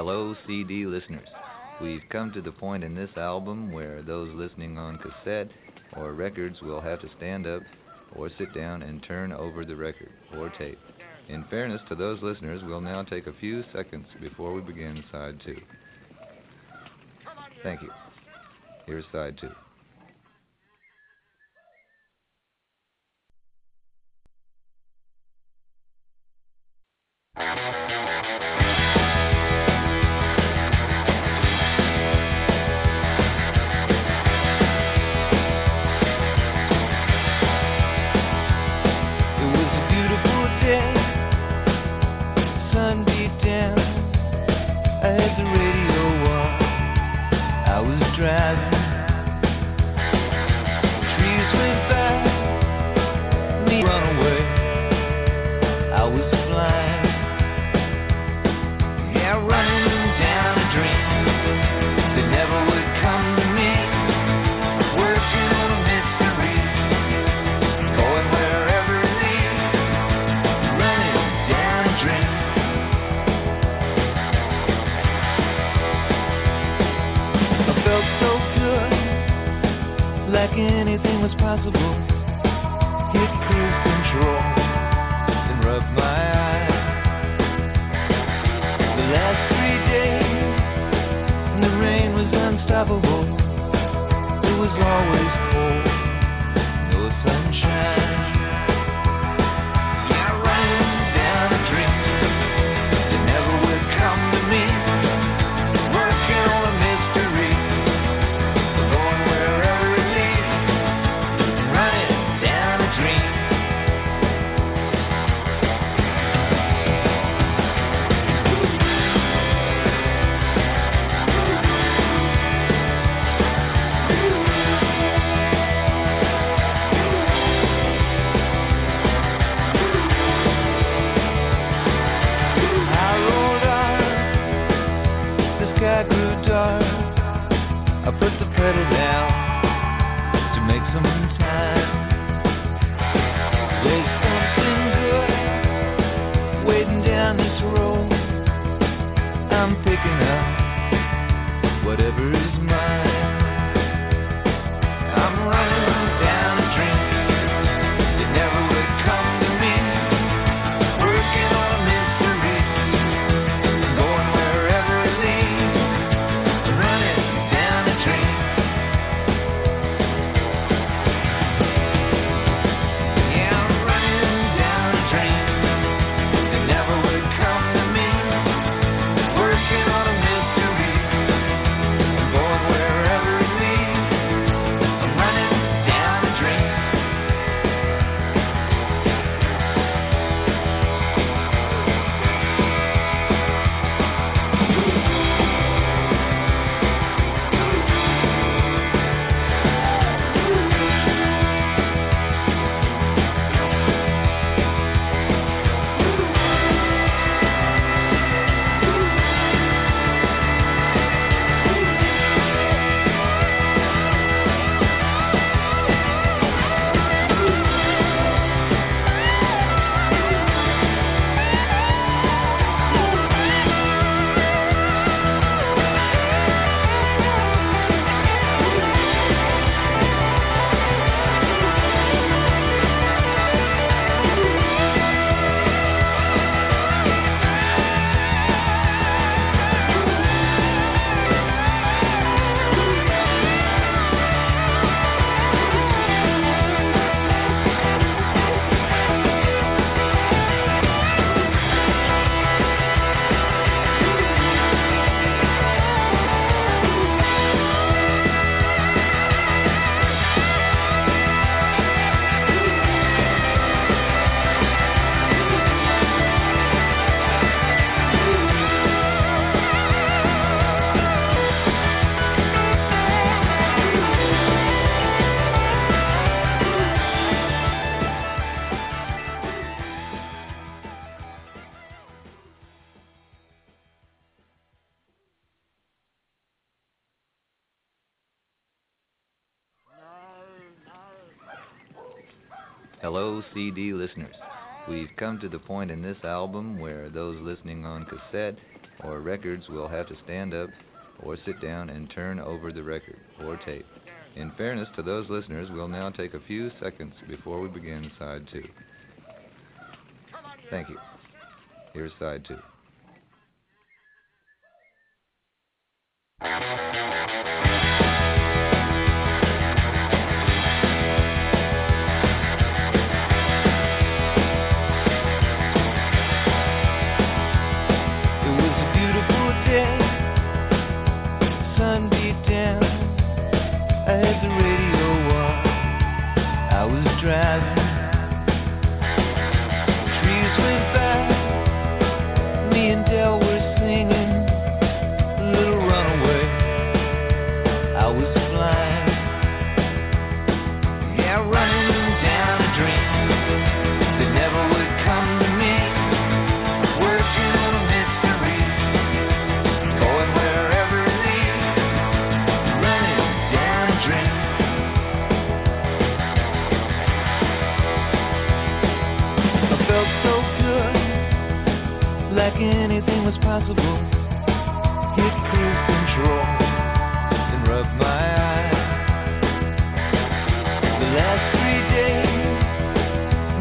Hello, CD listeners. We've come to the point in this. Album where those listening on cassette or. Records will have to stand up or sit down and turn over the record or tape. In fairness to those listeners, we'll now. Take a few seconds before we begin. Side two. Thank you. Here's side two.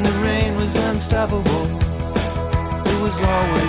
the rain was unstoppable. It was always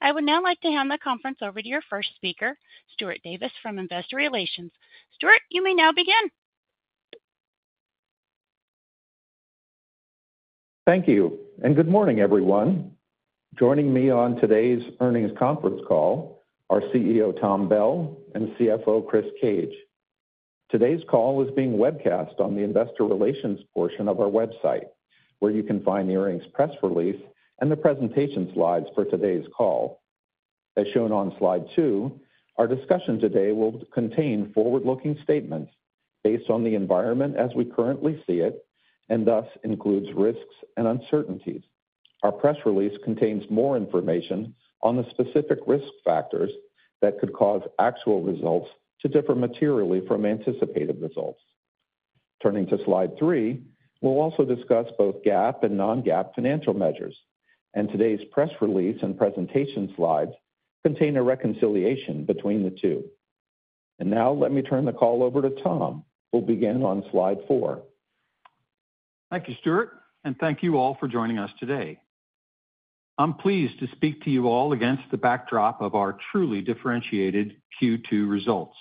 I would now like to hand the conference over to your first speaker, Stuart Davis from Investor Relations. Stuart, you may now begin. Thank you, and good morning everyone. Joining me on today's earnings conference call are CEO Tom Bell and CFO Chris Cage. Today's call is being webcast on the Investor Relations portion of our website where you can find the earnings press release and the presentation slides for today's call as shown on slide 2. Our discussion today will contain forward-looking statements based on the environment as we currently see it and thus includes risks and uncertainties. Our press release contains more information on the specific risk factors that could cause actual results to differ materially from anticipated results. Turning to slide 3, we'll also discuss both GAAP and non-GAAP financial measures, and today's press release and presentation slides contain a reconciliation between the two. Now let me turn the call over to Tom, who will begin on slide 4. Thank you, Stuart, and thank you all for joining us today. I'm pleased to speak to you all against the backdrop of our truly differentiated Q2 results.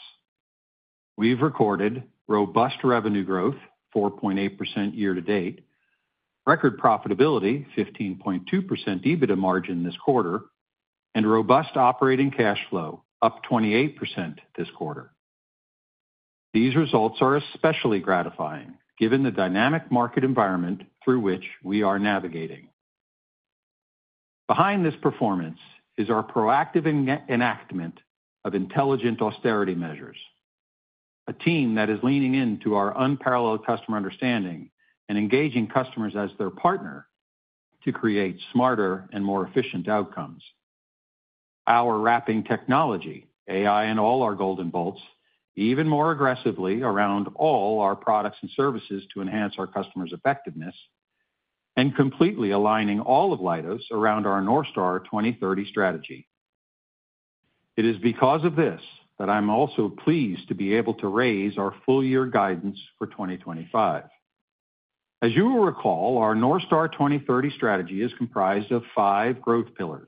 We've recorded robust revenue growth, 4.8% year to date, record profitability, 15.2% EBITDA margin this quarter, and robust operating cash flow, up 28% this quarter. These results are especially gratifying given the dynamic market environment through which we are navigating. Behind this performance is our proactive enactment of intelligent austerity measures, a team that is leaning into our unparalleled customer understanding, and engaging customers as their partner to create smarter and more efficient outcomes. We are wrapping technology, AI, and all our Golden Bolts even more aggressively around all our products and services to enhance our customers' effectiveness and completely aligning all of Leidos around our Northstar 2030 strategy. It is because of this that I'm also pleased to be able to raise our full year guidance for 2025. As you will recall, our Northstar 2030 strategy is comprised of five growth areas: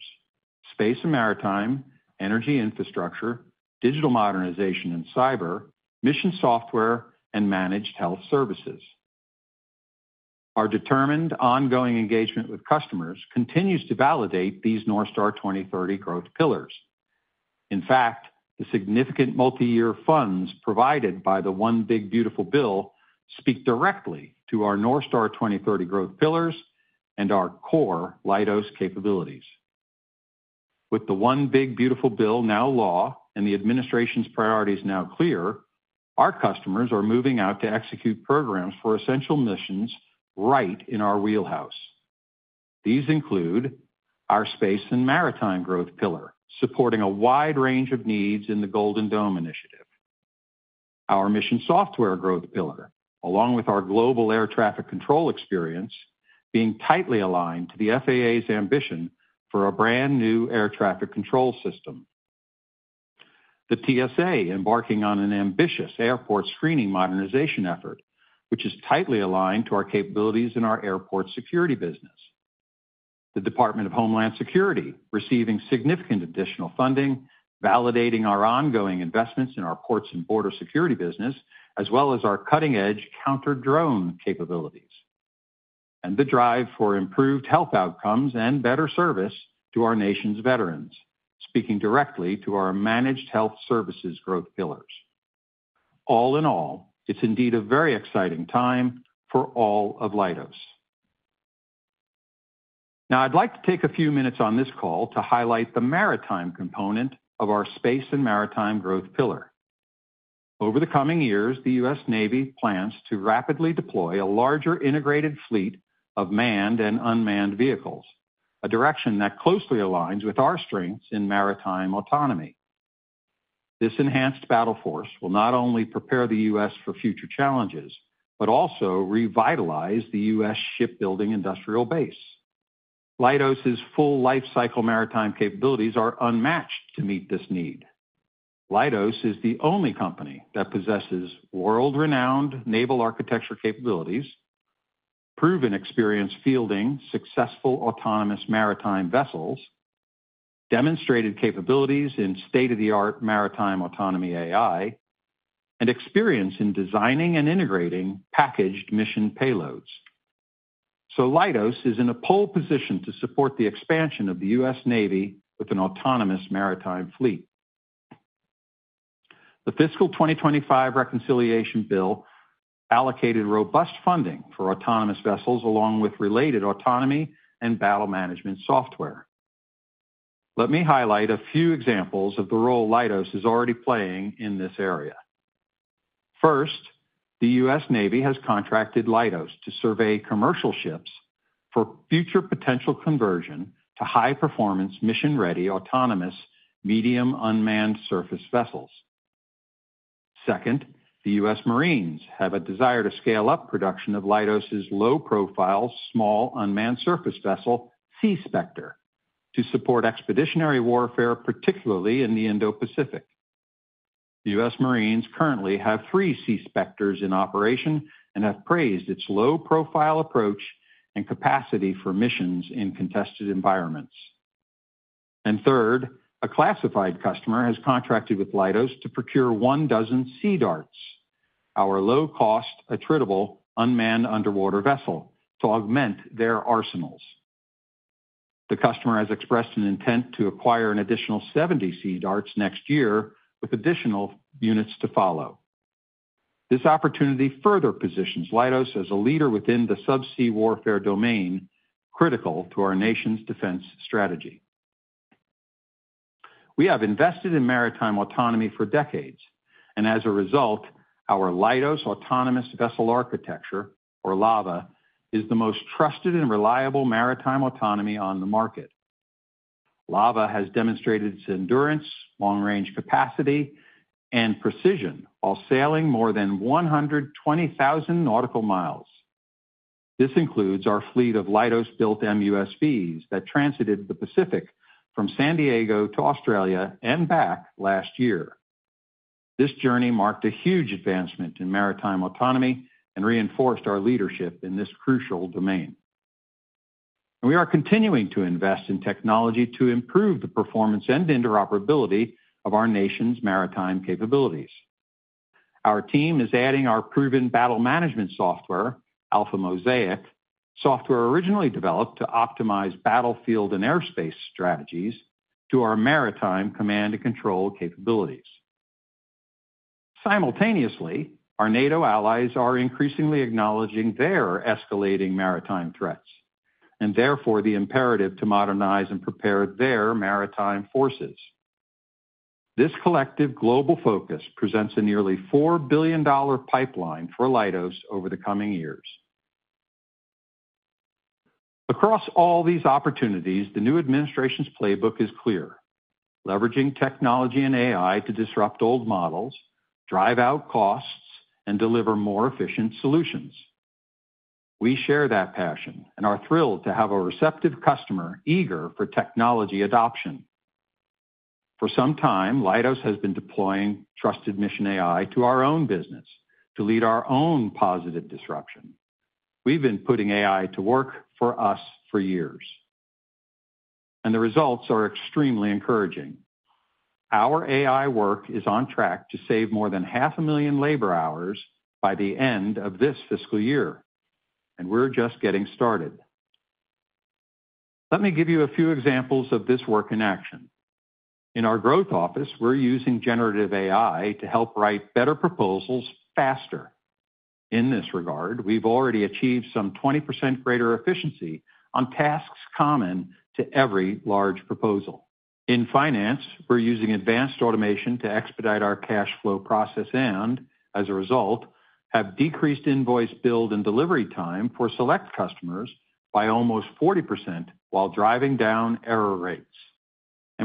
space and maritime, energy infrastructure, digital modernization and cyber mission software, and managed health services. Our determined ongoing engagement with customers continues to validate these Northstar 2030 growth pillars. In fact, the significant multi-year funds provided by the One Big Beautiful Bill speak directly to our Northstar 2030 growth pillars and our core Leidos capabilities. With the One Big Beautiful Bill now law and the Administration's priorities now clear, our customers are moving out to execute programs for essential missions right in our wheelhouse. These include our space and maritime growth pillar supporting a wide range of needs in the Golden Dome initiative, our mission software growth pillar, along with our global air traffic control experience being tightly aligned to the FAA's ambition for a brand new air traffic control system. The TSA is embarking on an ambitious airport screening modernization effort, which is tightly aligned to our capabilities in our airport security business. The Department of Homeland Security is receiving significant additional funding, validating our ongoing investments in our ports and border security business as well as our cutting-edge counter-drone capabilities and the drive for improved health outcomes and better service to our nation's veterans, speaking directly to our managed health services growth pillars. All in all, it's indeed a very exciting time for all of Leidos. Now I'd like to take a few minutes on this call to highlight the maritime component of our space and maritime growth pillar. Over the coming years, the U.S. Navy plans to rapidly deploy a larger integrated fleet of manned and unmanned vehicles, a direction that closely aligns with our strengths in maritime autonomy. This enhanced battle force will not only prepare the U.S. for future challenges, but also revitalize the U.S. shipbuilding industrial base. Leidos' full life cycle maritime capabilities are unmatched to meet this need. Leidos is the only company that possesses world-renowned naval architecture capabilities, proven experience fielding successful autonomous maritime vessels, demonstrated capabilities in state-of-the-art maritime autonomy AI, and experience in designing and integrating packaged mission payloads. Leidos is in a pole position to support the expansion of the U.S. Navy with an autonomous maritime fleet. The fiscal 2025 reconciliation bill allocated robust funding for autonomous vessels along with related autonomy and battle management software. Let me highlight a few examples of the role Leidos is already playing in this area. First, the U.S. Navy has contracted Leidos to survey commercial ships for future potential conversion to high-performance mission-ready autonomous medium unmanned surface vessels. Second, the U.S. Marines has a desire to scale up production of Leidos' low-profile small unmanned surface vessel Sea Specter to support expeditionary warfare, particularly in the Indo-Pacific. U.S. Marines currently have three Sea Specters in operation and have praised its low profile approach and capacity for missions in contested environments. Third, a classified customer has contracted with Leidos to procure one dozen Sea Darts, our low cost attritable unmanned underwater vessel to augment their arsenals. The customer has expressed an intent to acquire an additional 70 Sea Darts next year with additional units to follow. This opportunity further positions Leidos as a leader within the subsea warfare domain critical to our nation's defense strategy. We have invested in maritime autonomy for decades, and as a result, our Leidos Autonomous Vessel Architecture, or LAVA, is the most trusted and reliable maritime autonomy on the market. LAVA has demonstrated its endurance, long range capacity, and precision while sailing more than 120,000 nautical miles. This includes our fleet of Leidos built MUSVs that transited the Pacific from San Diego to Australia and back last year. This journey marked a huge advancement in maritime autonomy and reinforced our leadership in this crucial domain. We are continuing to invest in technology to improve the performance and interoperability of our nation's maritime capabilities. Our team is adding our proven battle management software, AlphaMosaic software, originally developed to optimize battlefield and airspace strategies, to our maritime command and control capabilities. Simultaneously, our NATO allies are increasingly acknowledging their escalating maritime threats and therefore the imperative to modernize and prepare their maritime forces. This collective global focus presents a nearly $4 billion pipeline for Leidos over the coming years. Across all these opportunities, the new administration's playbook is clear. Leveraging technology and AI to disrupt old models, drive out costs, and deliver more efficient solutions. We share that passion and are thrilled to have a receptive customer eager for technology adoption. For some time, Leidos has been deploying trusted mission AI to our own business to lead our own positive disruption. We've been putting AI to work for us for years and the results are extremely encouraging. Our AI work is on track to save more than half a million labor hours by the end of this fiscal year. We're just getting started. Let me give you a few examples of this work in action. In our growth office, we're using generative AI to help write better proposals faster. In this regard, we've already achieved some 20% greater efficiency on tasks common to every large proposal. In finance, we're using advanced automation to expedite our cash flow process, and as a result have decreased invoice build and delivery time for select customers by almost 40% while driving down error rates.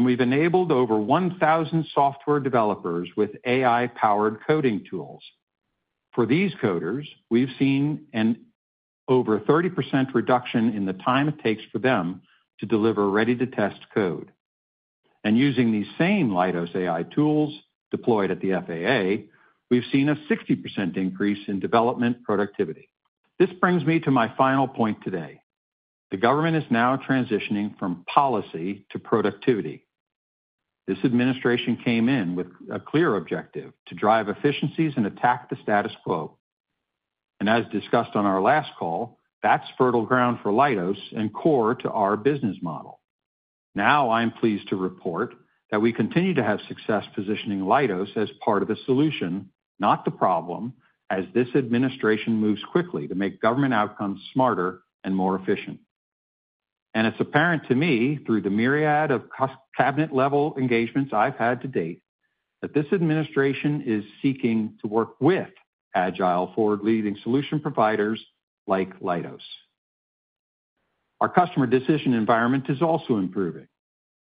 We've enabled over 1,000 software developers with AI-powered coding tools. For these coders, we've seen an over 30% reduction in the time it takes for them to deliver ready-to-test code. Using these same Leidos AI tools deployed at the FAA, we've seen a 60% increase in development productivity. This brings me to my final point. Today, the government is now transitioning from policy to productivity. This administration came in with a clear objective to drive efficiencies and attack the status quo. As discussed on our last call, that's fertile ground for Leidos and core to our business model. I'm pleased to report that we continue to have success positioning Leidos as part of the solution, not the problem, as this administration moves quickly to make government outcomes smarter and more efficient. It's apparent to me through the myriad of cabinet-level engagements I've had to date that this administration is seeking to work with agile, forward-leading solution providers like Leidos. Our customer decision environment is also improving.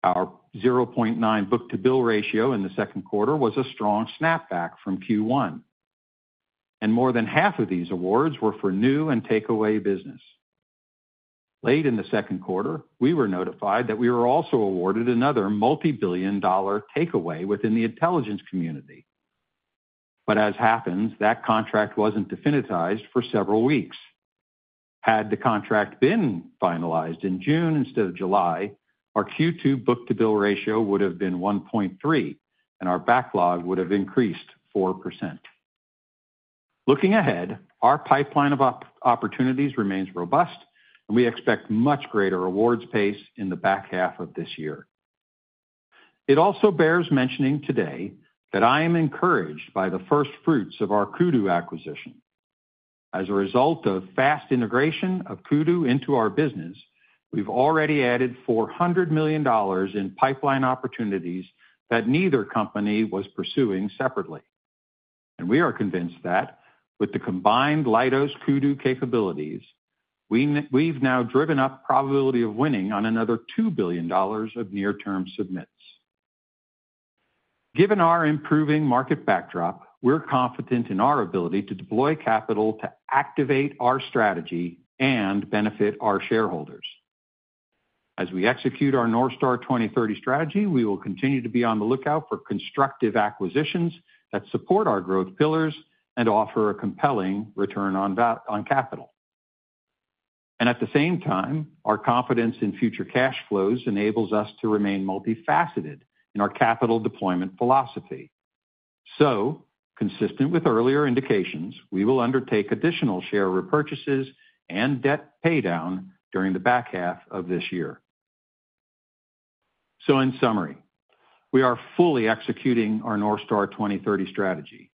Our 0.9 book-to-bill ratio in the second quarter was a strong snapback from Q1, and more than half of these awards were for new and takeaway business. Late in the second quarter, we were notified that we were also awarded another multi-billion dollar takeaway within the intelligence community, but as happens, that contract wasn't definitized for several weeks. Had the contract been finalized in June instead of July, our Q2 book-to-bill ratio would have been 1.3 and our backlog would have increased 4%. Looking ahead, our pipeline of opportunities remains robust and we expect much greater awards pace in the back half of this year. It also bears mentioning today that I am encouraged by the first fruits of our Kudu acquisition. As a result of fast integration of Kudu into our business, we've already added $400 million in pipeline opportunities that neither company was pursuing separately, and we are convinced that with the combined Leidos-Kudu capabilities, we've now driven up probability of winning on another $2 billion of near-term submits. Given our improving market backdrop, we're confident in our ability to deploy capital to activate our strategy and benefit our shareholders. As we execute our Northstar 2030 strategy, we will continue to be on the lookout for constructive acquisitions that support our growth pillars and offer a compelling return on capital. At the same time, our confidence in future cash flows enables us to remain multifaceted in our capital deployment philosophy. Consistent with earlier indications, we will undertake additional share repurchases and debt paydown during the back half of this year. In summary, we are fully executing our Northstar 2030 strategy.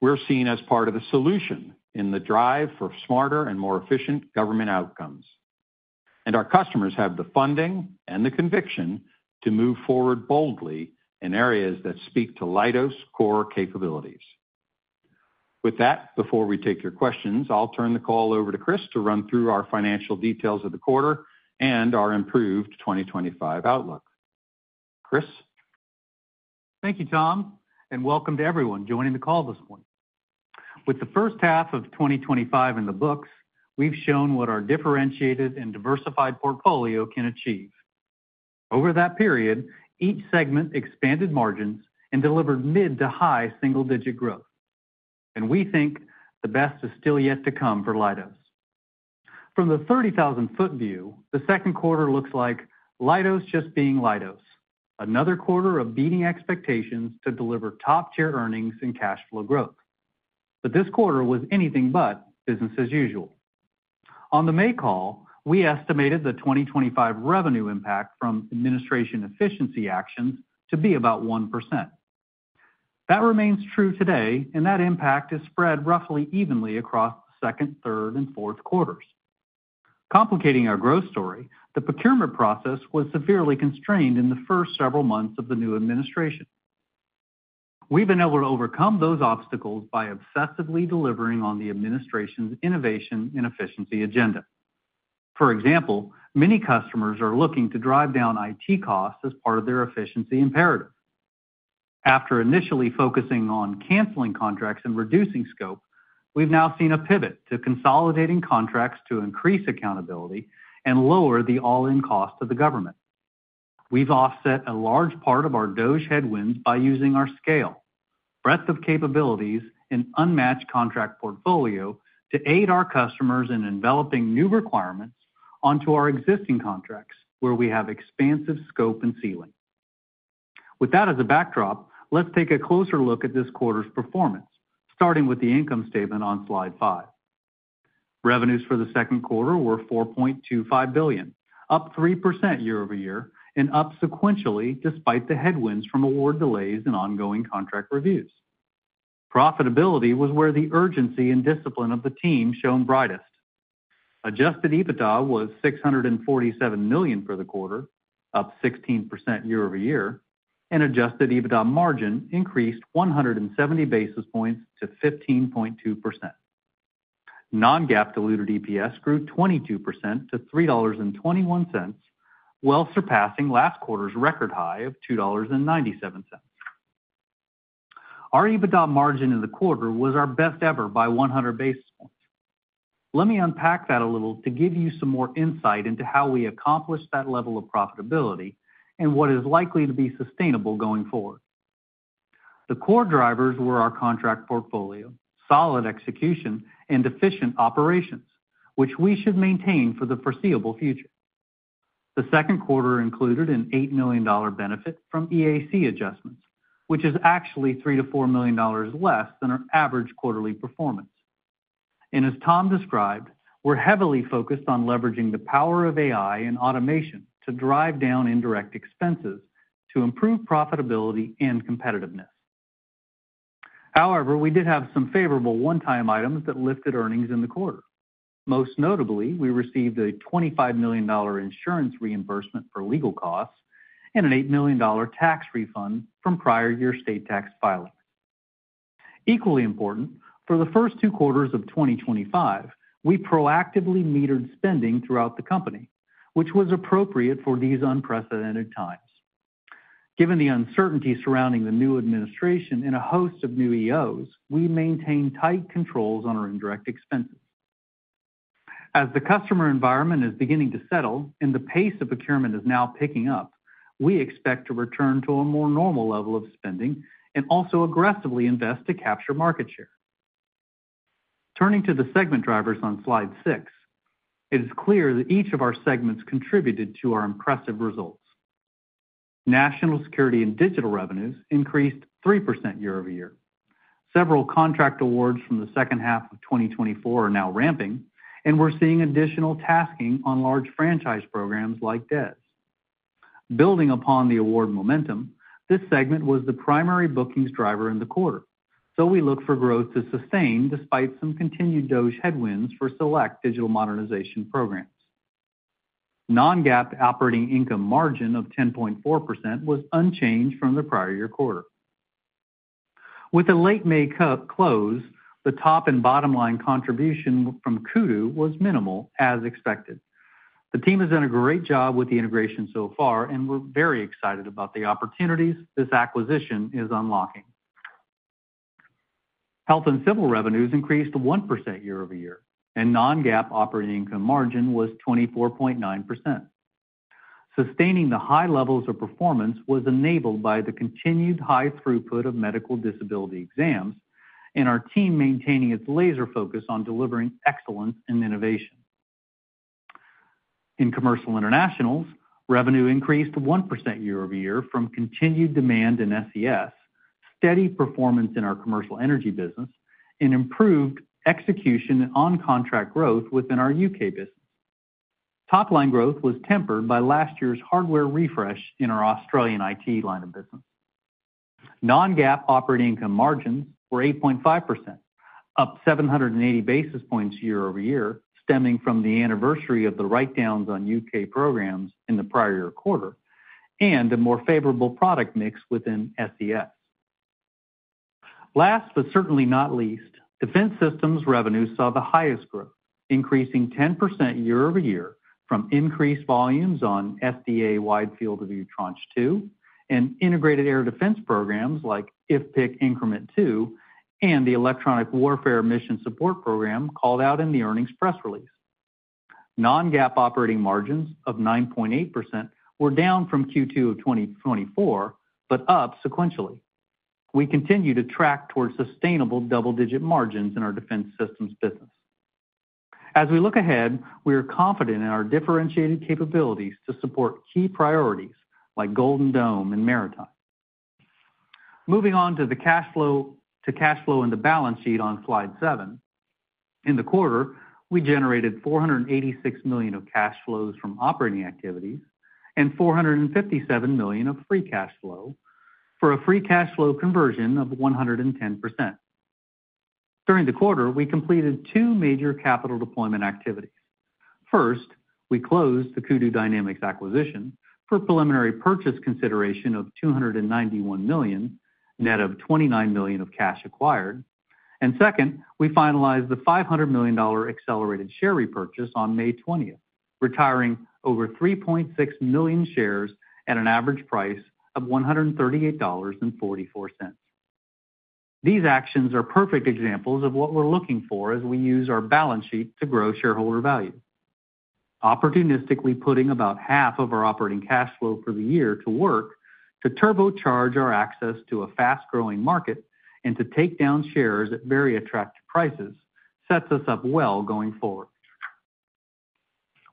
We're seen as part of the solution in the drive for smarter and more efficient government outcomes, and our customers have the funding and the conviction to move forward boldly in areas that speak to Leidos core capabilities. With that, before we take your questions, I'll turn the call over to Chris to run through our financial details of the quarter and our improved 2025 outlook. Chris, thank you, Tom, and welcome to everyone joining the call this morning. With the first half of 2025 in the books, we've shown what our differentiated and diversified portfolio can achieve over that period. Each segment expanded margins and delivered mid to high single digit growth, and we think the best is still yet to come for Leidos. From the 30,000 ft view, the second quarter looks like Leidos just being Leidos. Another quarter of beating expectations to deliver top tier earnings and cash flow growth. This quarter was anything but business as usual. On the May call, we estimated the 2025 revenue impact from administration efficiency actions to be about 1%. That remains true today, and that impact has spread roughly evenly across the second, third, and fourth quarters. Complicating our growth story, the procurement process was severely constrained in the first several months of the new administration. We've been able to overcome those obstacles by obsessively delivering on the administration's innovation and efficiency agenda. For example, many customers are looking to drive down IT costs as part of their efficiency imperative. After initially focusing on canceling contracts and reducing scope, we've now seen a pivot to consolidating contracts to increase accountability and lower the all-in cost of the government. We've offset a large part of our DOGE headwinds by using our scale, breadth of capabilities, and unmatched contract portfolio to aid our customers in enveloping new requirements onto our existing contracts where we have expansive scope and ceiling. With that as a backdrop, let's take a closer look at this quarter's performance, starting with the income statement on Slide 5. Revenues for the second quarter were $4.25 billion, up 3% year-over-year and up sequentially. Despite the headwinds from award delays and ongoing contract reviews, profitability was where the urgency and discipline of the team shone brightest. Adjusted EBITDA was $647 million for the quarter, up 16% year-over-year, and adjusted EBITDA margin increased 170 basis points to 15.2%. Non-GAAP diluted EPS grew 22% to $3.21, well surpassing last quarter's record high of $2.97. Our EBITDA margin in the quarter was our best ever by 100 basis points. Let me unpack that a little to give you some more insight into how we accomplished that level of profitability and what is likely to be sustainable going forward. The core drivers were our contract portfolio, solid execution, and efficient operations, which we should maintain for the foreseeable future. The second quarter included an $8 million benefit from EAC adjustments, which is actually $3 million-$4 million less than our average quarterly performance. As Tom described, we're heavily focused on leveraging the power of AI and automation to drive down indirect expenses to improve profitability and competitiveness. However, we did have some favorable one-time items that lifted earnings in the quarter. Most notably, we received a $25 million insurance reimbursement for legal costs and an $8 million tax refund from prior year state tax filings. Equally important, for the first two quarters of 2025, we proactively metered spending throughout the company, which was appropriate for these unprecedented times. Given the uncertainty surrounding the new administration and a host of new EOs, we maintain tight controls on our indirect expenses as the customer environment is beginning to settle and the pace of procurement is now picking up. We expect to return to a more normal level of spending and also aggressively invest to capture market share. Turning to the segment drivers on Slide 6, it is clear that each of our segments contributed to our impressive results. National Security and Digital revenues increased 3% year-over-year. Several contract awards from the second half of 2024 are now ramping, and we're seeing additional tasking on large franchise programs like debt, building upon the award momentum. This segment was the primary bookings driver in the quarter, so we look for growth to sustain despite some continued DOGE headwinds for select digital modernization programs. Non-GAAP operating income margin of 10.4% was unchanged from the prior year quarter. With the late May close, the top and bottom line contribution from Kudu was minimal, as expected. The team has done a great job with the integration so far, and we're very excited about the opportunities this acquisition is unlocking. Health and Civil revenues increased 1% year-over-year, and non-GAAP operating income margin was 24.9%. Sustaining the high levels of performance was enabled by the continued high throughput of medical disability exams and our team maintaining its laser focus on delivering excellence and innovation in commercial internationals. Revenue increased 1% year-over-year from continued demand in SDS, steady performance in our commercial energy services business, and improved execution on contract growth within our U.K. business. Top line growth was tempered by last year's hardware refresh in our Australian IT line of business. Non-GAAP operating income margins were 8.5%, up 780 basis points year-over-year, stemming from the anniversary of the write-downs on U.K. programs in the prior year quarter and a more favorable product mix within SDS. Last but certainly not least, Defense Systems revenue saw the highest growth, increasing 10% year-over-year from increased volumes on FDA Wide Field of View Tranche 2 and integrated air defense programs like IFPC Increment 2 and the electronic warfare mission support program called out in the earnings press release. Non-GAAP operating margins of 9.8% were down from Q2 of 2024, but up sequentially. We continue to track towards sustainable double-digit margins in our Defense Systems business. As we look ahead, we are confident in our differentiated capabilities to support key priorities like Golden Dome and maritime. Moving on to the cash flow and the balance sheet on Slide 7, in the quarter, we generated $486 million of cash flows from operating activities and $457 million of free cash flow. For a free cash flow conversion of 110%, during the quarter, we completed 2 major capital deployment activities. First, we closed the Kudu Dynamics acquisition for preliminary purchase consideration of $291 million, net of $29 million of cash acquired, and second, we finalized the $500 million accelerated share repurchase on May 20, retiring over 3.6 million shares at an average price of $138.44. These actions are perfect examples of what we're looking for as we use our balance sheet to grow shareholder value opportunistically. Putting about half of our operating cash flow for the year to work to turbocharge our access to a fast-growing market and to take down shares at very attractive prices sets us up well going forward.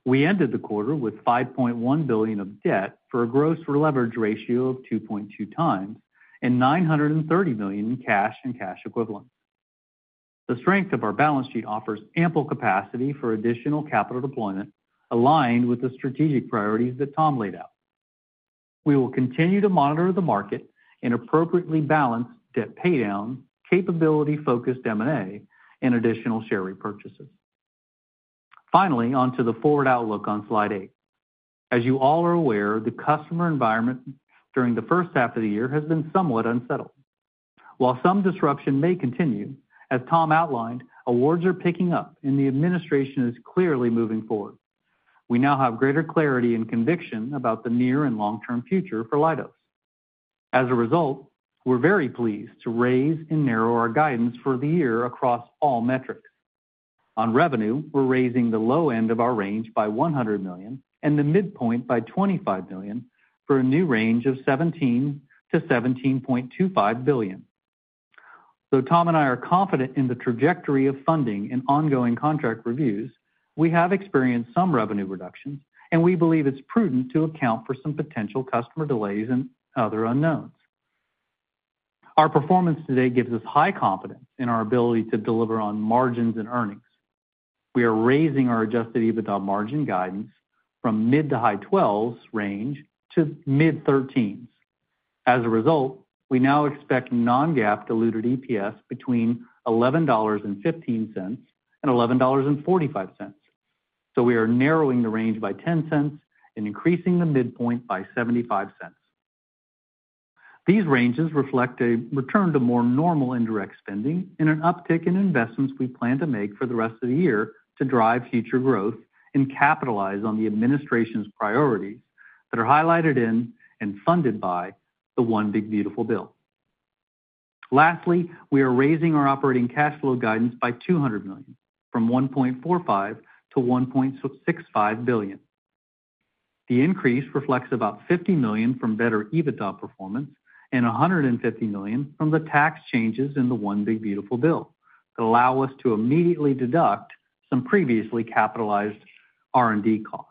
We ended the quarter with $5.1 billion of debt for a gross leverage ratio of 2.2x and $930 million in cash and cash equivalents. The strength of our balance sheet offers ample capacity for additional capital deployment aligned with the strategic priorities that Tom laid out. We will continue to monitor the market and appropriately balance debt, pay down capability, focused M&A, and additional share repurchases. Finally, onto the forward outlook on slide 8. As you all are aware, the customer environment during the first half of the year has been somewhat unsettled. While some disruption may continue as Tom outlined, the awards are picking up and the administration is clearly moving forward. We now have greater clarity and conviction about the near and long term future for Leidos. As a result, we're very pleased to raise and narrow our guidance for the year across all metrics. On revenue, we're raising the low end of our range by $100 million and the midpoint by $25 million for a new range of $17 billion-$17.25 billion. Though Tom and I are confident in the trajectory of funding and ongoing contract reviews, we have experienced some revenue reduction and we believe it's prudent to account for some potential customer delays and other unknowns, our performance today gives us high confidence in our ability to deliver on margins and earnings. We are raising our adjusted EBITDA margin guidance from mid to high 12% range to mid 13%. As a result, we now expect non-GAAP diluted EPS between $11.15 and $11.45. We are narrowing the range by $0.10 and increasing the midpoint by $0.75. These ranges reflect a return to more normal indirect spending and an uptick in investments we plan to make for the rest of the year to drive future growth and capitalize on the administration's priorities that are highlighted in and funded by the One Big Beautiful Bill. Lastly, we are raising our operating cash flow guidance by $200 million from $1.45 billion to $1.65 billion. The increase reflects about $50 million from better EBITDA performance and $150 million from the tax changes in the One Big Beautiful Bill that allow us to immediately deduct some previously capitalized R&D costs.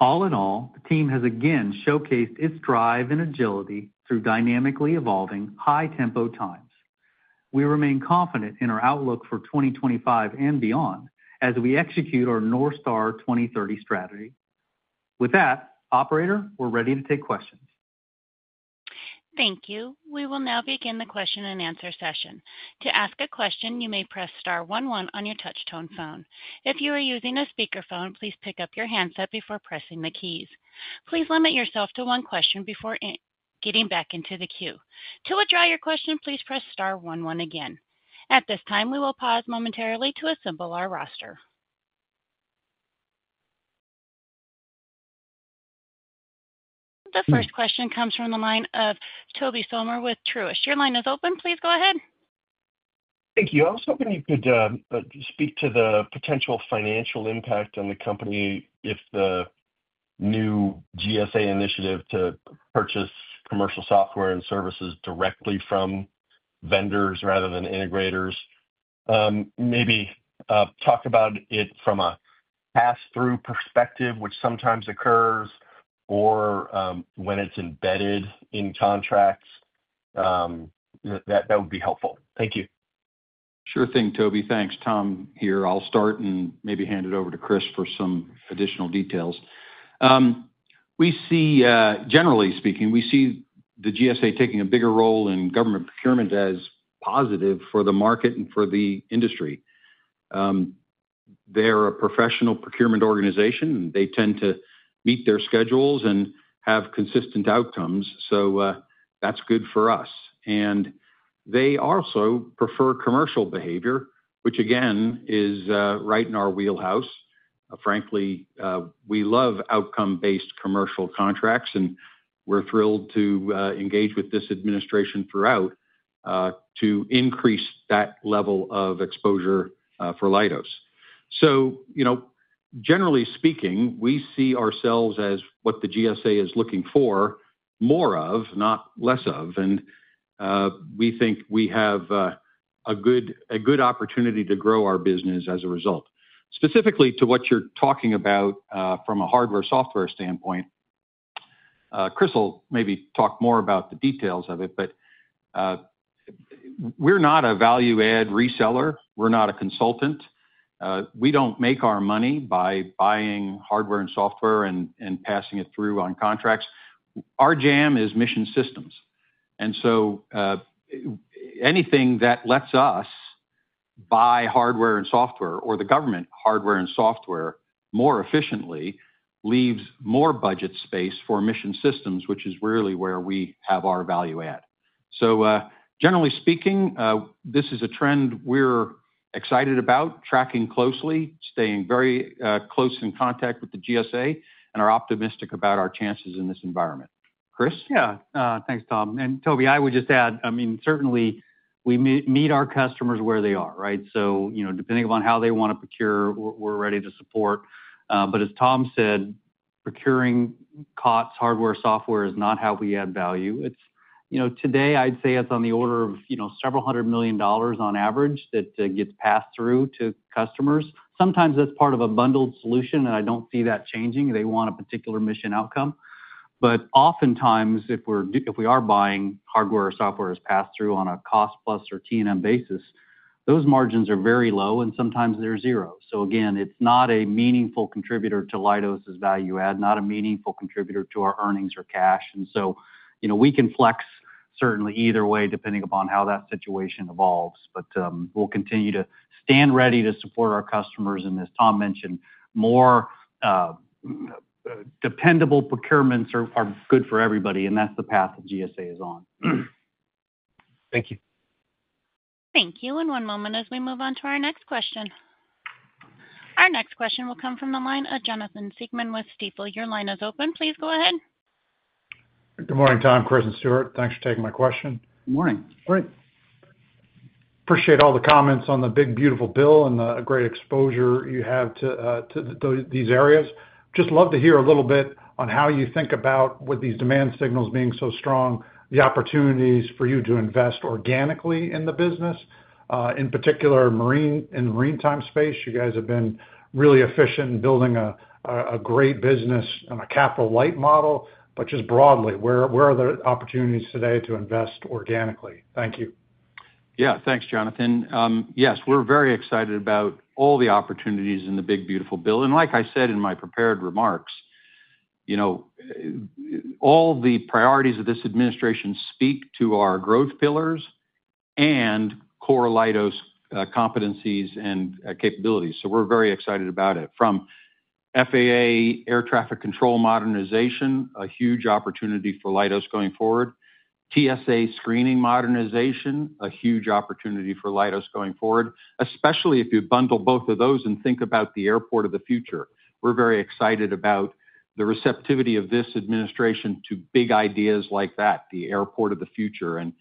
All in all, the team has again showcased its drive and agility through dynamically evolving high tempo times. We remain confident in our outlook for 2025 and beyond as we execute our Northstar 2030 strategy. With that, operator, we're ready to take questions. Thank you. We will now begin the question and answer session. To ask a question, you may press *11 on your touchtone phone. If you are using a speakerphone, please pick up your handset before pressing the keys. Please limit yourself to one question before getting back into the queue. To withdraw your question, please press *11 again. At this time, we will pause momentarily to assemble our roster. The first question comes from the line of Tobey Sommer with Truist. Your line is open. Please go ahead. Thank you. I was hoping you could speak to the potential financial impact on the company. If the new GSA initiative to purchase commercial software and services directly from vendors rather than integrators. Maybe talk about it from a pass. Through perspective, which sometimes occurs or when it's embedded in contracts. That would be helpful. Thank you. Sure thing, Tobey. Thanks, Tom. Here, I'll start and maybe hand it over to Chris for some additional details. We see, generally speaking, we see the GSA taking a bigger role in government procurement as positive for the market and for the industry. They're a professional procurement organization. They tend to meet their schedules and have consistent outcomes, so that's good for us. They also prefer commercial behavior, which again is right in our wheelhouse. Frankly, we love outcome-based commercial contracts and we're thrilled to engage with this administration throughout to increase that level of exposure for Leidos. Generally speaking, we see ourselves as what the GSA is looking for more of, not less of. We think we have a good opportunity to grow our business as a result. Specifically to what you're talking about from a hardware software standpoint, Chris will maybe talk more about the details of it, but we're not a value-add reseller, we're not a consultant. We don't make our money by buying hardware and software and passing it through on contracts. Our jam is mission systems. Anything that lets us buy hardware and software or the government hardware and software more efficiently leaves more budget space for mission systems, which is really where we have our value at. Generally speaking, this is a trend we're excited about, tracking closely, staying very close in contact with the GSA and are optimistic about our chances in this environment. Chris? Yeah, thanks Tom. Toby, I would just add, I mean certainly we meet our customers where they are, right? Depending upon how they want to procure, we're ready to support. As Tom said, procuring COTS hardware software is not how we add value. It's, you know, today I'd say it's on the order of several hundred million dollars on average that gets passed through to customers. Sometimes that's part of a bundled solution and I don't see that changing. They want a particular mission outcome. Oftentimes if we are buying hardware or software as pass through on a cost plus or T&M basis, those margins are very low and sometimes they're zero. It's not a meaningful contributor to Leidos value add, not a meaningful contributor to our earnings or cash. We can flex certainly either way depending upon how that situation evolves. We'll continue to stand ready to support our customers as Tom mentioned. More. Dependable procurements are good for everybody, and that's the path that GSA is on. Thank you. Thank you. One moment as we move on to our next question. Our next question will come from the line of Jonathan Siegmann with Stifel. Your line is open. Please go ahead. Good morning, Tom. Chris and Stewart, thanks for taking my question. Good morning. Great. Appreciate all the comments on the One Big Beautiful Bill and the great exposure you have to these areas. Just love to hear a little bit on how you think about, with these demand signals being so strong, the opportunities for you to invest organically in the business, in particular Marine, in maritime space. You guys have been really efficient in building a great business on a capital-light model, but just broadly, where are the opportunities today to invest organically? Thank you. Yeah, thanks, Jonathan. Yes, we're very excited about all the opportunities in the Big Beautiful Bill. Like I said in my prepared remarks, all the priorities of this administration speak to our growth pillars and core Leidos competencies and capabilities. We're very excited about it. From FAA air traffic control modernization, a huge opportunity for Leidos going forward, to TSA screening modernization, a huge opportunity for Leidos going forward, especially if you bundle both of those and think about the airport of the future. We're very excited about the receptivity of this administration to big ideas like that, the airport of the future and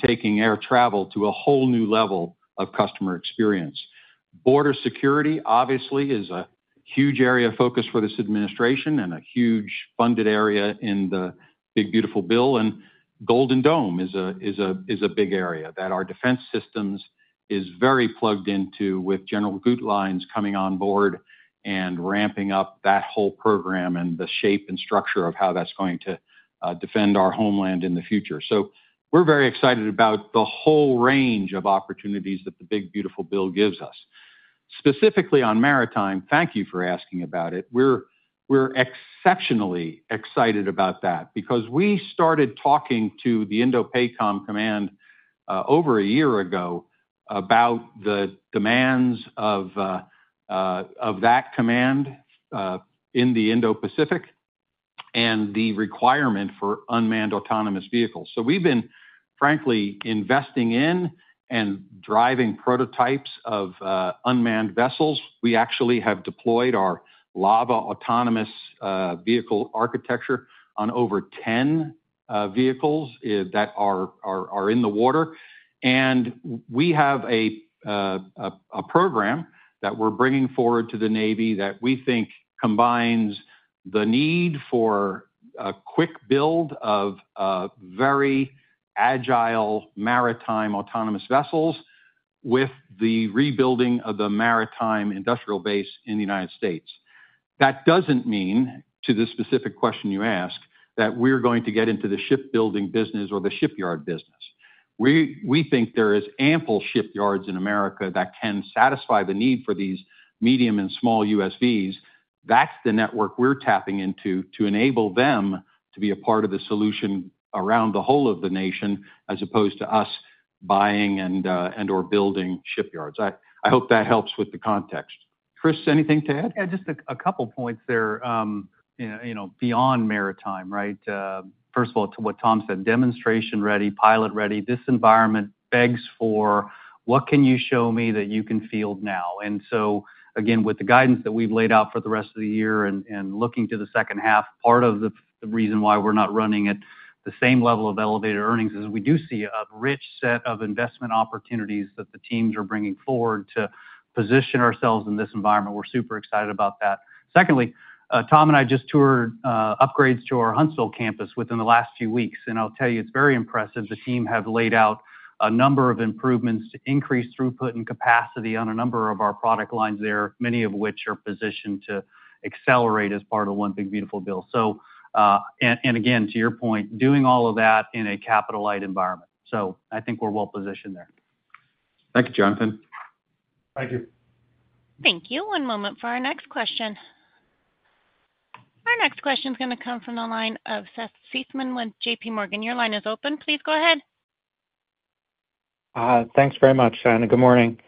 taking air travel to a whole new level of customer experience. Border security obviously is a huge area of focus for this administration and a huge funded area in the Big Beautiful Bill. Golden Dome is a big area that our defense systems is very plugged into, with general guidelines coming on board and ramping up that whole program and the shape and structure of how that's going to defend our homeland in the future. We're very excited about the whole range of opportunities that the Big Beautiful Bill gives us. Specifically on maritime, thank you for asking about it. We're exceptionally excited about that because we started talking to the INDOPACOM command over a year ago about the demands of that command in the Indo-Pacific and the requirement for unmanned autonomous vehicles. We've been frankly investing in and driving prototypes of unmanned vessels. We actually have deployed our LAVA (Leidos Autonomous Vehicle Architecture) on over 10 vehicles that are in the water. We have a program that we're bringing forward to the U.S. Navy that we think combines the need for a quick build of very agile maritime autonomous vessels with the rebuilding of the maritime industrial base in the United States. That doesn't mean, to the specific question you asked, that we're going to get into the shipbuilding business or the shipyard business. We think there are ample shipyards in America that can satisfy the need for these medium and small USVs. That's the network we're tapping into to enable them to be a part of the solution around the whole of the nation, as opposed to us buying and or building shipyards. I hope that helps with the context. Chris, anything to add? Just a couple points there. Beyond maritime. Right. First of all, to what Tom said, demonstration ready, pilot ready. This environment begs for what? Can you show me that you can field now? With the guidance that we've laid out for the rest of the year and looking to the second half, part of the reason why we're not running at the same level of elevated earnings is we do see a rich set of investment opportunities that the teams are bringing forward to position ourselves in this environment. We're super excited about that. Tom and I just toured upgrades to our Huntsville campus within the last few weeks and I'll tell you, it's very impressive. The team have laid out a number of improvements to increase throughput and capacity on a number of our product lines there, many of which are positioned to accelerate as part of One Big Beautiful Bill. Again, to your point, doing all of that in a capital light environment. I think we're well positioned there. Thank you, Jonathan. Thank you. Thank you. One moment for our next question. Our next question is going to come from the line of Seth Seifman with JPMorgan. Your line is open. Please go ahead. Thanks very much, Sandra. Good morning.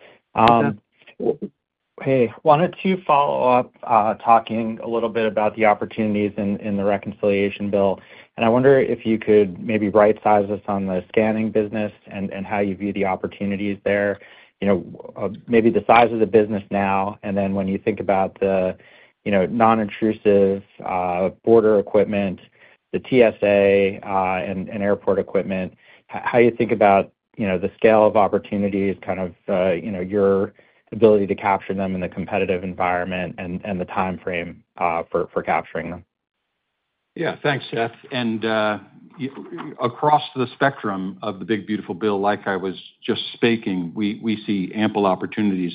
Hey, wanted to follow up, talking a little bit about the opportunities in the reconciliation bill, and I wonder if you could maybe right size us on the scanning business and how you view the opportunities there. You know, maybe the size of the business now, and then when you think about the, you know, non-intrusive border equipment, the TSA and airport equipment, how you think about, you know, the scale of opportunities, kind of, you know, your ability to capture them in the competitive. Environment and the timeframe for capturing them. Yeah, thanks, Jeff. Across the spectrum of the Big Beautiful Bill, like I was just speaking, we see ample opportunities.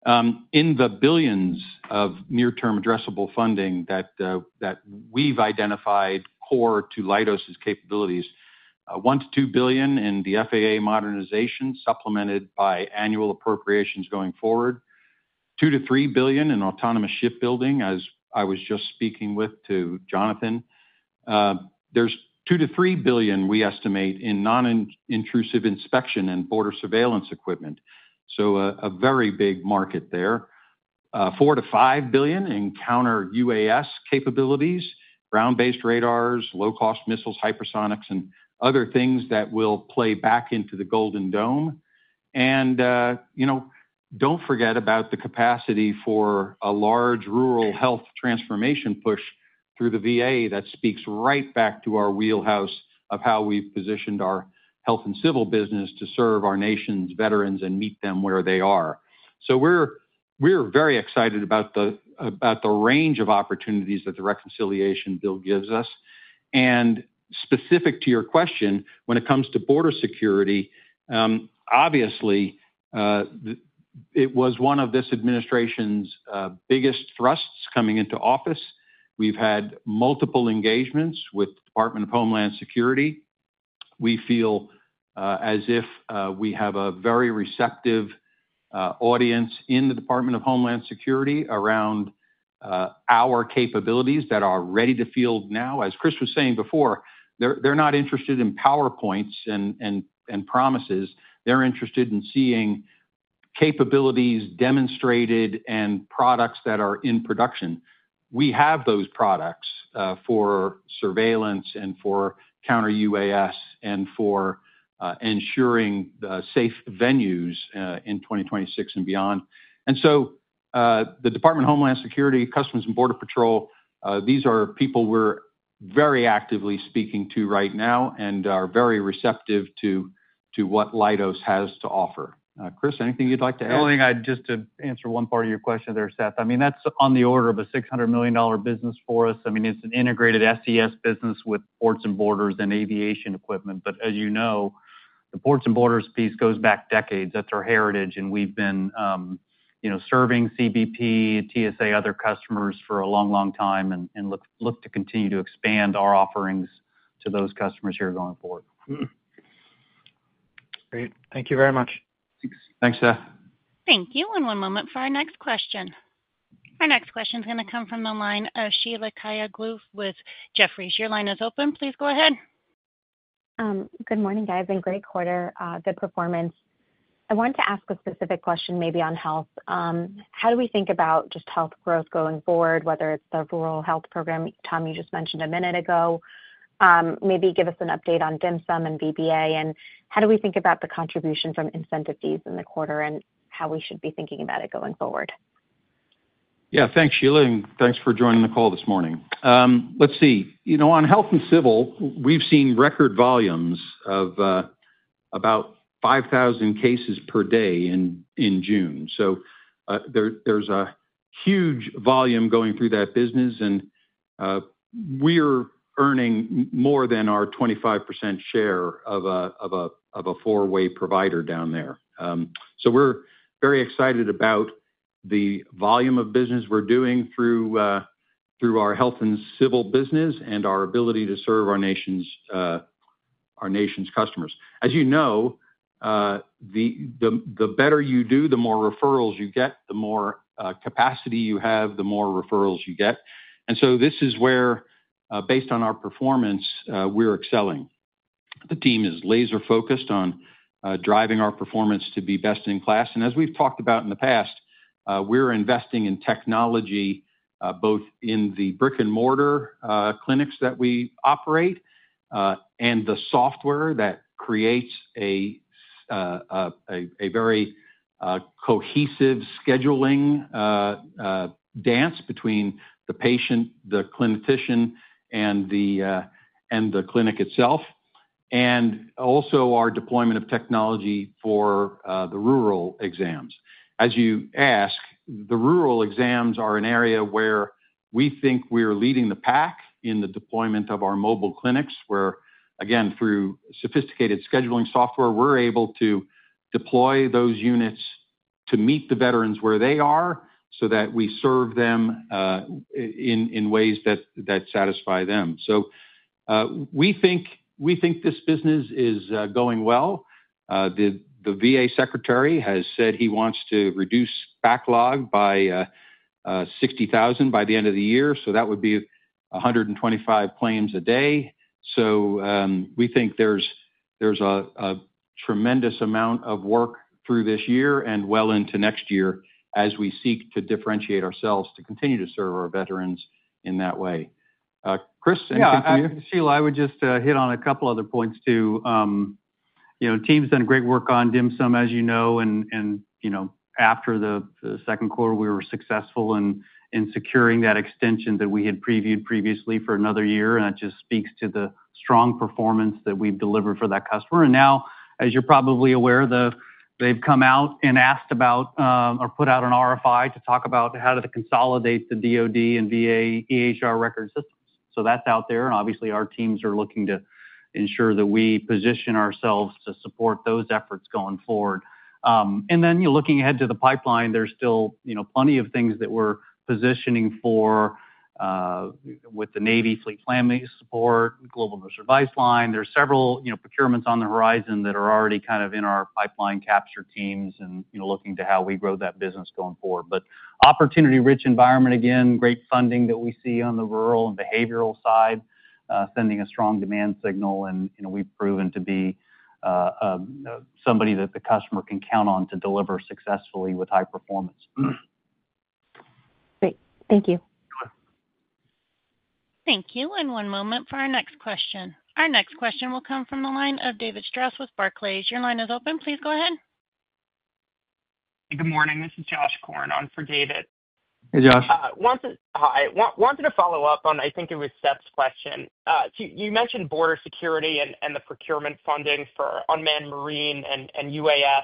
Let me run down a few numbers for you. In the billions of near-term addressable funding that we've identified, core to Leidos capabilities, $1 billion-$2 billion in the FAA modernization supplemented by annual appropriations going forward, $2 billion-$3 billion in autonomous shipbuilding. As I was just speaking with Jonathan, there's $2 billion-$3 billion we estimate in non-intrusive inspection and border surveillance equipment. A very big market there, $4 billion-$5 billion in counter-UAS capabilities, ground-based radars, low-cost missiles, hypersonics, and other things that will play back into the golden dome. You know, don't forget about the capacity for a large rural health transformation push through the VA. That speaks right back to our wheelhouse of how we've positioned our health and civil business to serve our nation's veterans and meet them where they are. We're very excited about the range of opportunities that the reconciliation bill gives us. Specific to your question, when it comes to border security, obviously it was one of this administration's biggest thrusts coming into office. We've had multiple engagements with the Department of Homeland Security. We feel as if we have a very receptive audience in the Department of Homeland Security around our capabilities that are ready to field. Now, as Chris was saying before, they're not interested in PowerPoints and promises. They're interested in seeing capabilities demonstrated and products that are in production. We have those products for surveillance and for counter-UAS and for ensuring safe venues in 2026 and beyond. The Department of Homeland Security, Customs and Border Patrol, these are people we're very actively speaking to right now and are very receptive to what Leidos has to offer. Chris, anything you'd like to add? Just to answer one part of your question there, Seth, I mean, that's on the order of a $600 million business for us. I mean, it's an integrated SES business with ports and borders and aviation equipment. As you know, the ports and borders piece goes back decades. That's our heritage. We've been serving CBP, TSA, other customers for a long, long time. We look to continue to expand our offerings to those customers here going forward. Great. Thank you very much. Thanks, Seth. Thank you. One moment for our next question. Our next question is going to come from the line of Sheila Kahyaoglu with Jefferies. Your line is open. Please go ahead. Good morning, guys, and great quarter. Good performance. I wanted to ask a specific question. Maybe on health, how do we think about just health growth going forward, whether it's the rural health program. Tom, you just mentioned a minute ago, maybe give us an update on DHMSM and VBA and how do we think about the contribution from incentive fees in the quarter and how we should be thinking about it going forward? Yeah. Thanks, Sheila. And thanks for joining the call this morning. Let's see, you know, on health and civil, we've seen record volumes of about 5,000 cases per day in June. There's a huge volume going through that business and we're earning more than our 25% share of a four-way provider down there. We're very excited about the volume of business we're doing through our health and civil business and our ability to serve our nation's customers. As you know, the better you do, the more referrals you get, the more capacity you have, the more referrals you get. This is where, based on our performance, we're excelling. The team is laser focused on driving our performance to be best in class. As we've talked about in the past, we're investing in technology both in the brick and mortar clinics that we operate and the software that creates a very cohesive scheduling dance between the patient, the clinician, and the clinic itself. Also, our deployment of technology for the rural exams, as you ask. The rural exams are an area where we think we are leading the pack in the deployment of our mobile clinics where, again, through sophisticated scheduling software, we're able to deploy those units to meet the veterans where they are so that we serve them in ways that satisfy them. We think this business is going well. The VA Secretary has said he wants to reduce backlog by 60,000 by the end of the year. That would be 125 planes a day. We think there's a tremendous amount of work through this year and well into next year as we seek to differentiate ourselves to continue to serve our veterans in that way. Chris, Sheila, I would just hit on. A couple other points too. You know, team's done great work on DHMSM, as you know. After the second quarter we were successful in securing that extension that we had previewed previously for another year. It just speaks to the strong performance that we've delivered for that customer. Now as you're probably aware, they've come out and asked about or put out an RFI to talk about how to consolidate the DOD and VA EHR record systems. That's out there. Obviously our teams are looking to ensure that we position ourselves to support those efforts going forward. Looking ahead to the pipeline, there's still plenty of things that we're positioning for with the Navy fleet plan based support Global Nurse Advice line. There are several procurements on the horizon that are already kind of in our pipeline. Capture teams are looking to how we grow that business going forward. Opportunity-rich environment, again, great funding that we see on the rural and behavioral side sending a strong demand signal, and we've proven to be somebody that the customer can count on to deliver successfully with high performance. Great. Thank you. Thank you. One moment for our next question. Our next question will come from the line of David Strauss with Barclays. Your line is open. Please go ahead. Good morning, this is Josh Korn on for David. Hey, Josh, wanted to follow up on, I think it was Seth's question. You mentioned border surveillance and the procurement. Funding for unmanned marine and UAS,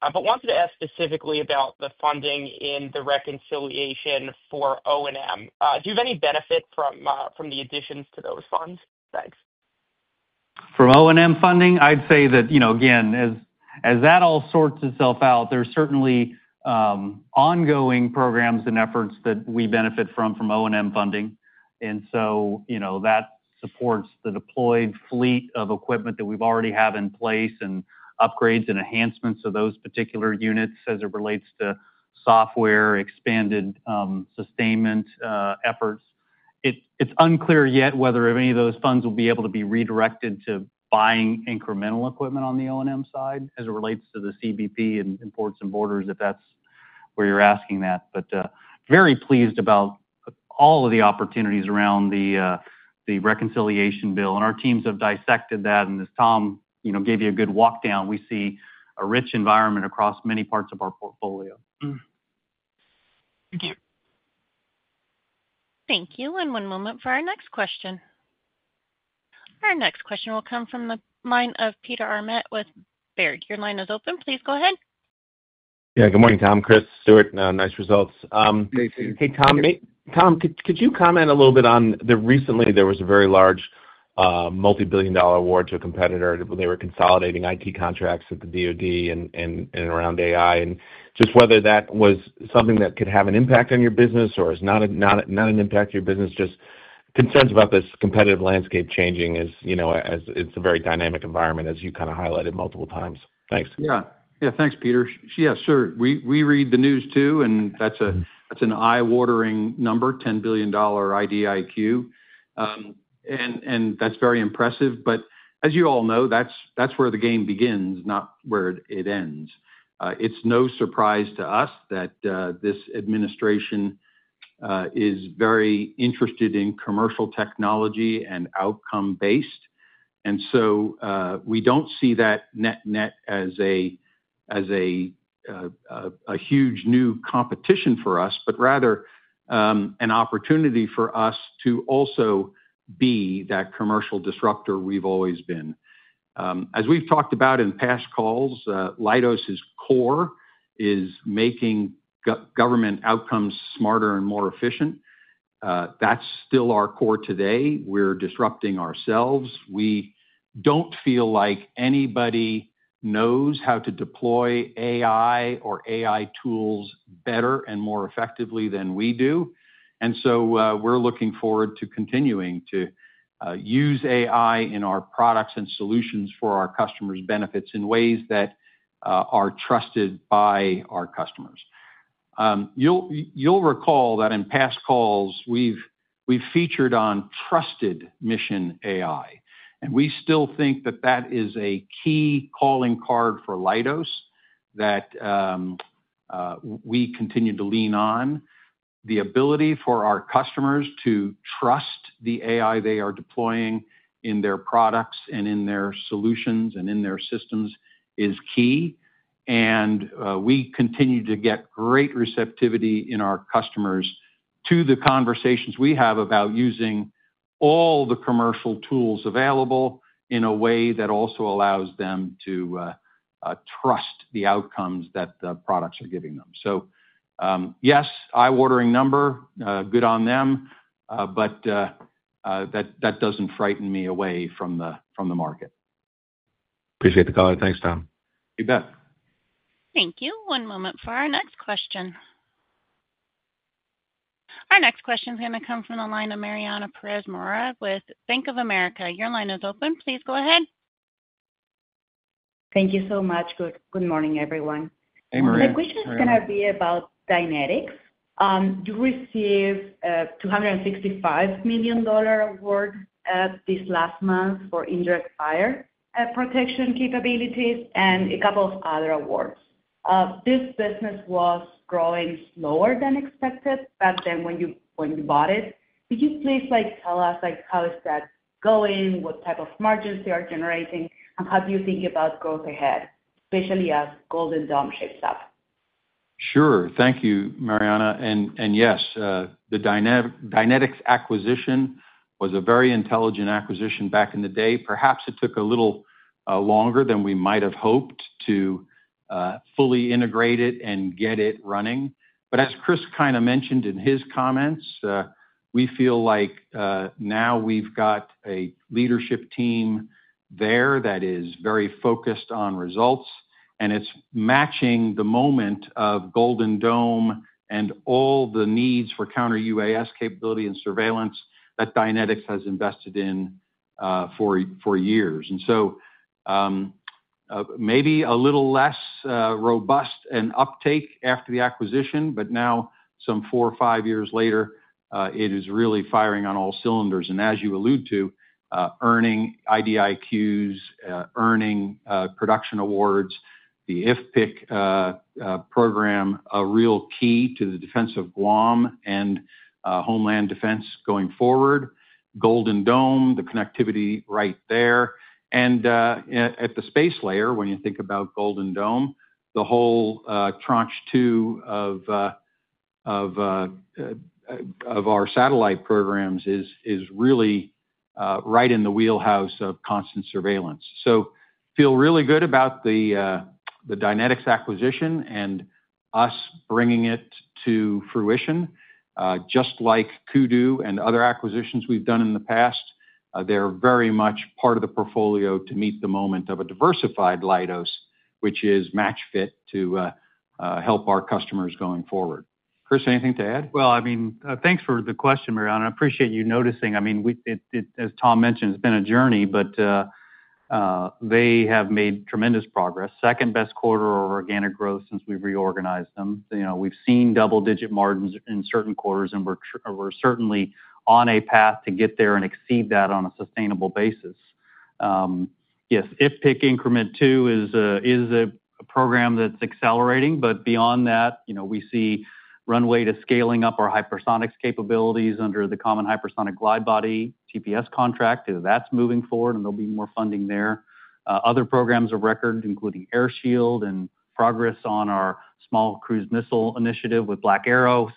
but wanted to ask specifically about the funding in the reconciliation for O&M. Do you have any benefit from the additions to those funds? Thanks. From O&M funding, I'd say that, you know, again, as that all sorts itself out, there's certainly ongoing programs and efforts that we benefit from from O&M funding. That supports the deployed fleet of equipment that we already have in place and upgrades and enhancements of those particular units as it relates to software, expanded sustainment efforts. It's unclear yet whether any of those funds will be able to be redirected to buying incremental equipment on the O&M side as it relates to the CBP and ports and borders, if that's where you're asking that. Very pleased about all of the opportunities around the reconciliation bill. Our teams have dissected that. As Tom, you know, gave you a good walkdown, we see a rich environment across many parts of our portfolio. Thank you. Thank you. One moment for our next question. Our next question will come from the line of Peter Arment with Baird. Your line is open. Please go ahead. Yeah. Good morning, Tom. Chris, Stuart. Nice results. Hey Tom. Tom, could you comment a little bit on the recently there was a very large multibillion dollar award to a competitor when they. We're consolidating IT contracts at the DoD and around AI. Whether that was something that. Could have an impact on your business. Is it not an impact to your business, just concerns about this competitive landscape changing? As you know, it's a very dynamic environment, as you kind of highlighted multiple times. Thanks. Yeah, thanks, Peter. Yeah, sure. We read the news too, and that's an eye-watering number. $10 billion IDIQ, and that's very impressive. As you all know, that's where the game begins, not where it ends. It's no surprise to us that this administration is very interested in commercial technology and outcome-based. We don't see that net-net as a huge new competition for us, but rather an opportunity for us to also be that commercial disruptor we've always been. As we've talked about in past calls, Leidos' core is making government outcomes smarter and more efficient. That's still our core. Today we're disrupting ourselves. We don't feel like anybody knows how to deploy AI or AI tools, data, better and more effectively than we do. We're looking forward to continuing to use AI in our products and solutions for our customers' benefits in ways that are trusted by our customers. You'll recall that in past calls we've featured on Trusted Mission AI, and we still think that is a key calling card for Leidos. We continue to lean on the ability for our customers to trust the AI they are deploying in their products, in their solutions, and in their systems. That is key. We continue to get great receptivity in our customers to the conversations we have about using all the commercial tools available in a way that also allows them to trust the outcomes that the products are giving them. Yes, eye-watering number, good on them. That doesn't frighten me away from the market. Appreciate the caller. Thanks, Tom. You bet. Thank you. One moment for our next question. Our next question is going to come from the line of Mariana Pérez Mora with Bank of America. Your line is open. Please go ahead. Thank you so much. Good morning, everyone. Hey, Maria. The question is going to be about Dynetics. You receive a $265 million award at this last month for indirect buyer protection capabilities and a couple of other awards. This business was growing slower than expected. When you point bought it, could you please tell us how is that going, what type of margins they are generating, and how do you think about growth ahead, especially as Golden Dome shapes up? Sure. Thank you, Mariana. Yes, the Dynetics acquisition was a very intelligent acquisition back in the day. Perhaps it took a little longer than we might have hoped to fully integrate it and get it running. As Chris kind of mentioned in his comments, we feel like now we've got a leadership team there that is very focused on results and it's matching the moment of Golden Dome and all the needs for counter-UAS capability and surveillance that Dynetics has invested in for years. Maybe a little less robust in uptake after the acquisition, but now some four or five years later, it is really firing on all cylinders. As you allude to, earning IDIQs, earning production awards, the IFPC program, a real key to the defense of Guam and homeland defense going forward. Golden Dome, the connectivity right there and at the space layer. When you think about Golden Dome, the whole tranche two of our satellite programs is really right in the wheelhouse of constant surveillance. Feel really good about the Dynetics acquisition and us bringing it to fruition. Just like Kudu and other acquisitions we've done in the past, they're very much part of the portfolio to meet the moment of a diversified Leidos, which is match fit to help our customers going forward. Chris, anything to add? Thank you for the question, Mariana. I appreciate you noticing. As Tom mentioned, it's been a journey, but they have made tremendous progress. Second best quarter of organic growth. Since we've reorganized them, we've seen double digit margins in certain quarters and we're certainly on a path to get there and exceed that on a sustainable basis. Yes, if IFPC Increment 2 is a program that's accelerating but beyond that we see runway to scaling up our hypersonics capabilities under the common hypersonic glide body TPS contract that's moving forward and there'll be more funding there. Other programs of record including Airshield and progress on our small cruise missile initiative with Black Arrow.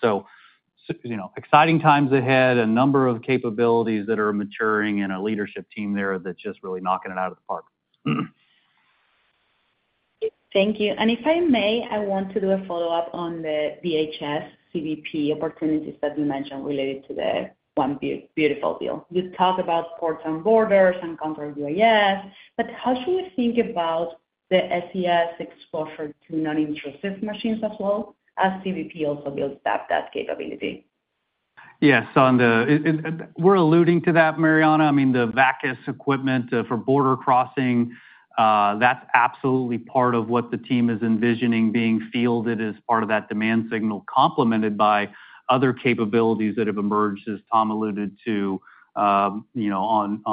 Exciting times ahead. A number of capabilities that are maturing and a leadership team there that's just really knocking it out of the park. Thank you. If I may, I want to do a follow-up on the DHS CBP opportunities that you mentioned related to the One Big Beautiful Bill you talked about, courts and borders, and counter-UAS. How should we think about the SES exposure to non-intrusive machines as well as CBP also builds up that capability? Yes, we're alluding to that, Mariana. I mean, the VACIS equipment for border crossing, that's absolutely part of what the team is envisioning being fielded as part of that demand signal, complemented by other capabilities that have emerged as Tom alluded to on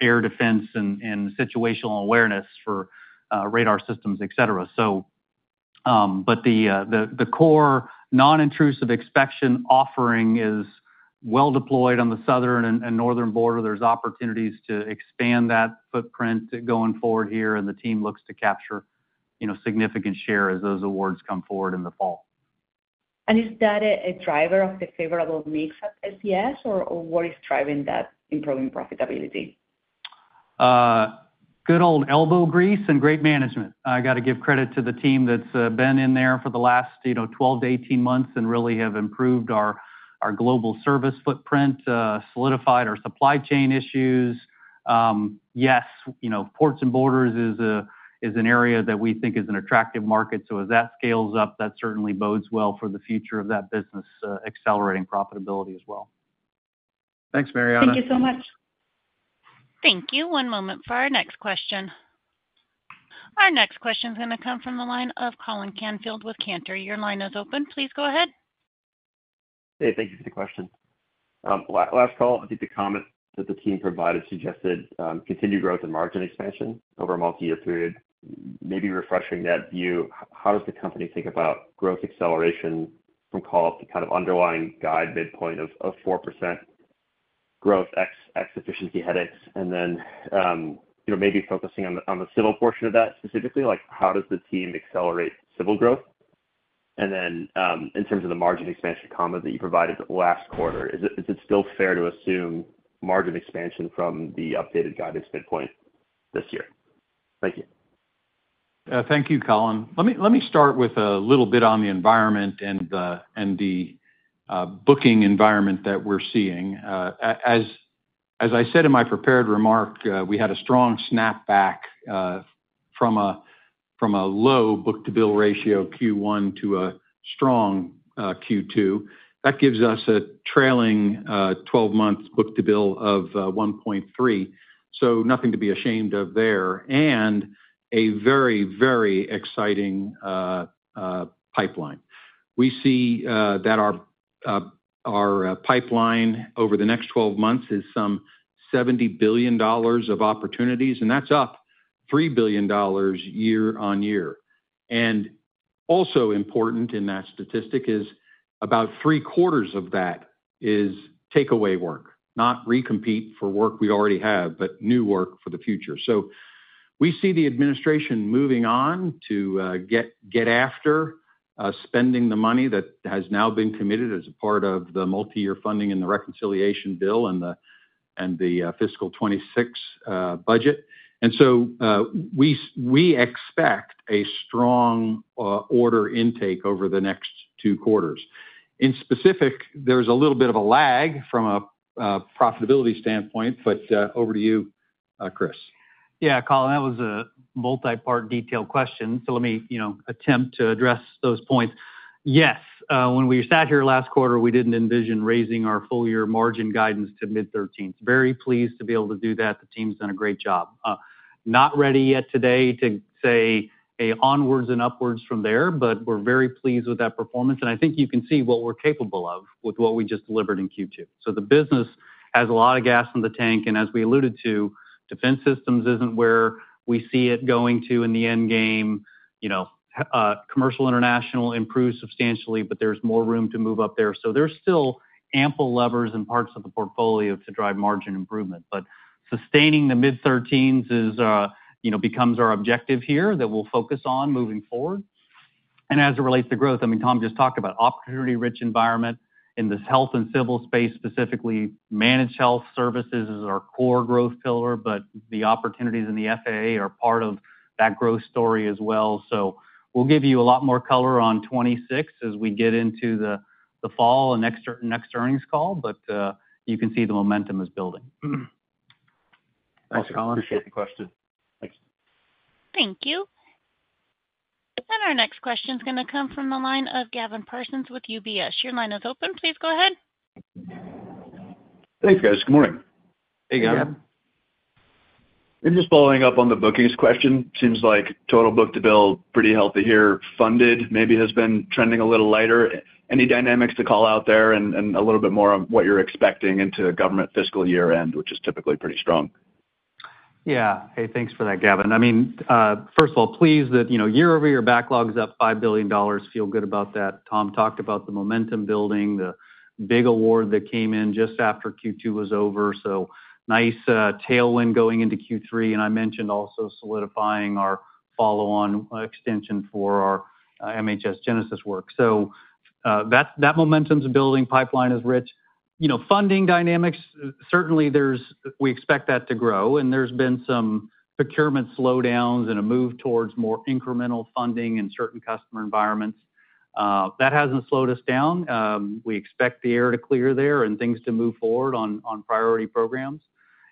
air defense and situational awareness for radar systems, et cetera. The core non-intrusive inspection offering is well deployed on the southern and northern border. There are opportunities to expand that footprint going forward here, and the team looks to capture significant share as those awards come forward in the fall. Is that a driver of the favorable mix at SDS, or what is driving that? Improving profitability? Good old elbow grease and great management. I gotta give credit to the team that's been in there for the last 12-18 months and really have improved our global service footprint, solidified our supply chain issues. Yes. Ports and Borders is an area that we think is an attractive market. As that scales up, that certainly bodes well for the future of that business, accelerating profitability as well. Thanks Mariana. Thank you so much. Thank you. One moment for our next question. Our next question is going to come from the line of Colin Canfield with Cantor. Your line is open. Please go ahead. Thank you for the question. I think the comment that the team provided suggested continued growth and margin expansion over a multi-year period. Maybe refreshing that view, how does the company think about growth acceleration from calls to kind of underlying. Guide midpoint of 4% growth x efficiency. Headaches and then maybe focusing on the civil portion of that specifically, how does the team accelerate civil growth? In terms of the margin expansion comment that you provided last quarter, is it still fair to assume margin? Expansion from the updated guidance midpoint this year? Thank you. Thank you, Colin. Let me start with a little bit on the environment and the booking environment that we're seeing. As I said in my prepared remark, we had a strong snapback from a low book to bill ratio Q1 to a strong Q2 that gives us a trailing twelve month book to bill of 1.3. Nothing to be ashamed of there and a very, very exciting pipeline. We see that our pipeline over the next 12 months is some $70 billion of opportunities, and that's up $3 billion year on year. Also important in that statistic is about 3/4 of that is takeaway work, not recompete for work we already have, but new work for the future. We see the administration moving on to get after spending the money that has now been committed as a part of the multi-year funding and the reconciliation bill and the fiscal 2026 budget. We expect a strong order intake over the next two quarters. In specific, there's a little bit of a lag from a profitability standpoint. Over to you, Chris. Yeah Colin, that was a multi-part detailed question. Let me attempt to address those points. Yes, when we sat here last quarter we didn't envision raising our full year margin guidance to mid 13%. Very, very pleased to be able to do that. The team's done a great job. Not ready yet today to say onwards and upwards from there. We're very pleased with that performance and I think you can see what we're capable of with what we just delivered in Q2. The business has a lot of gas in the tank and as we alluded to, defense systems isn't where we see it going to in the end game. Commercial international improves substantially but there's more room to move up there. There's still ample levers and parts of the portfolio to drive margin improvement. Sustaining the mid 13% is, you know, becomes our objective here that we'll focus on moving forward. As it relates to growth, Tom just talked about opportunity-rich environment in this health and civil space, specifically managed health services is our core growth pillar. The opportunities in the FAA are part of that growth story as well. We'll give you a lot more color on 2026 as we get into the fall and next earnings call. You can see the momentum is building. Thanks Colin, appreciate the question. Thanks. Thank you. Our next question is going to come from the line of Gavin Parsons with UBS. Your line is open. Please go ahead. Thanks guys. Good morning. Hey Gavin. Just following up on the bookings question. Seems like total book-to-bill. Pretty healthy here. Funded maybe has been trending a little lighter. Any dynamics to call out there, and a little bit more of what you're. Expecting into government fiscal year end, which is typically pretty strong. Yeah, hey, thanks for that, Gavin. I mean, first of all, pleased that, you know, year-over-year backlog is up $5 billion. Feel good about that. Tom talked about the momentum building, the big award that came in just after Q2 was over. Nice tailwind going into Q3. I mentioned also solidifying our follow-on extension for our MHS GENESIS work so that momentum's building. Pipeline is rich. You know, funding dynamics, certainly, we expect that to grow and there's been some procurement slowdowns and a move towards more incremental funding in certain customer environments. That hasn't slowed us down. We expect the air to clear there and things to move forward on priority programs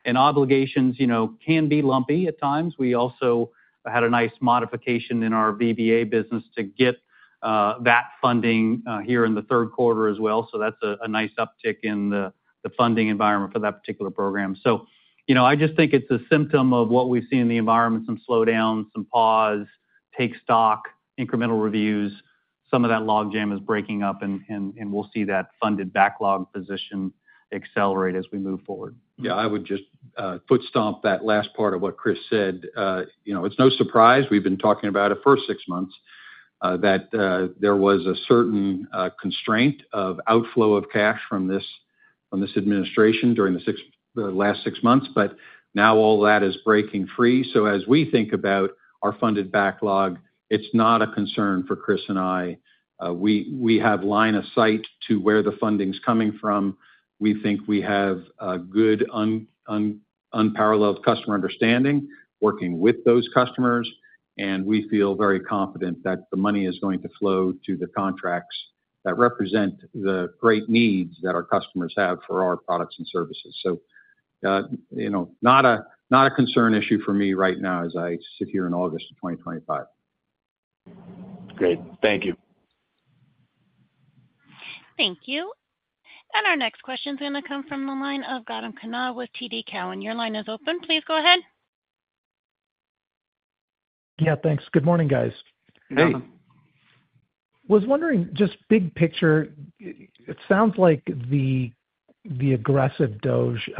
and obligations. You know, can be lumpy at times. We also had a nice modification in our VBA business to get that funding here in the third quarter as well. That's a nice uptick in the funding environment for that particular program. I just think it's a symptom of what we've seen in the environment. Some slowdowns and pause, take stock, incremental reviews. Some of that logjam is breaking up and we'll see that funded backlog position accelerate as we move forward. Yeah, I would just foot stomp that last part of what Chris said. You know, it's no surprise we've been talking about it for six months that there was a certain constraint of outflow of cash from this on this administration during the last six months. Now all that is breaking free. As we think about our funded backlog, it's not a concern for Chris and I. We have line of sight to where the funding's coming from. We think we have a good unparalleled customer understanding working with those customers and we feel very confident that the money is going to flow to the contracts that represent the great needs that our customers have for our products and services. Not a concern issue for me right now as I sit here in August of 2025. Great, thank you. Thank you. Our next question is going to come from the line of Gautam Khanna with TD Cowen. Your line is open. Please go ahead. Yeah, thanks. Good morning, guys. Was wondering, just big picture, it sounds like the aggressive DOGE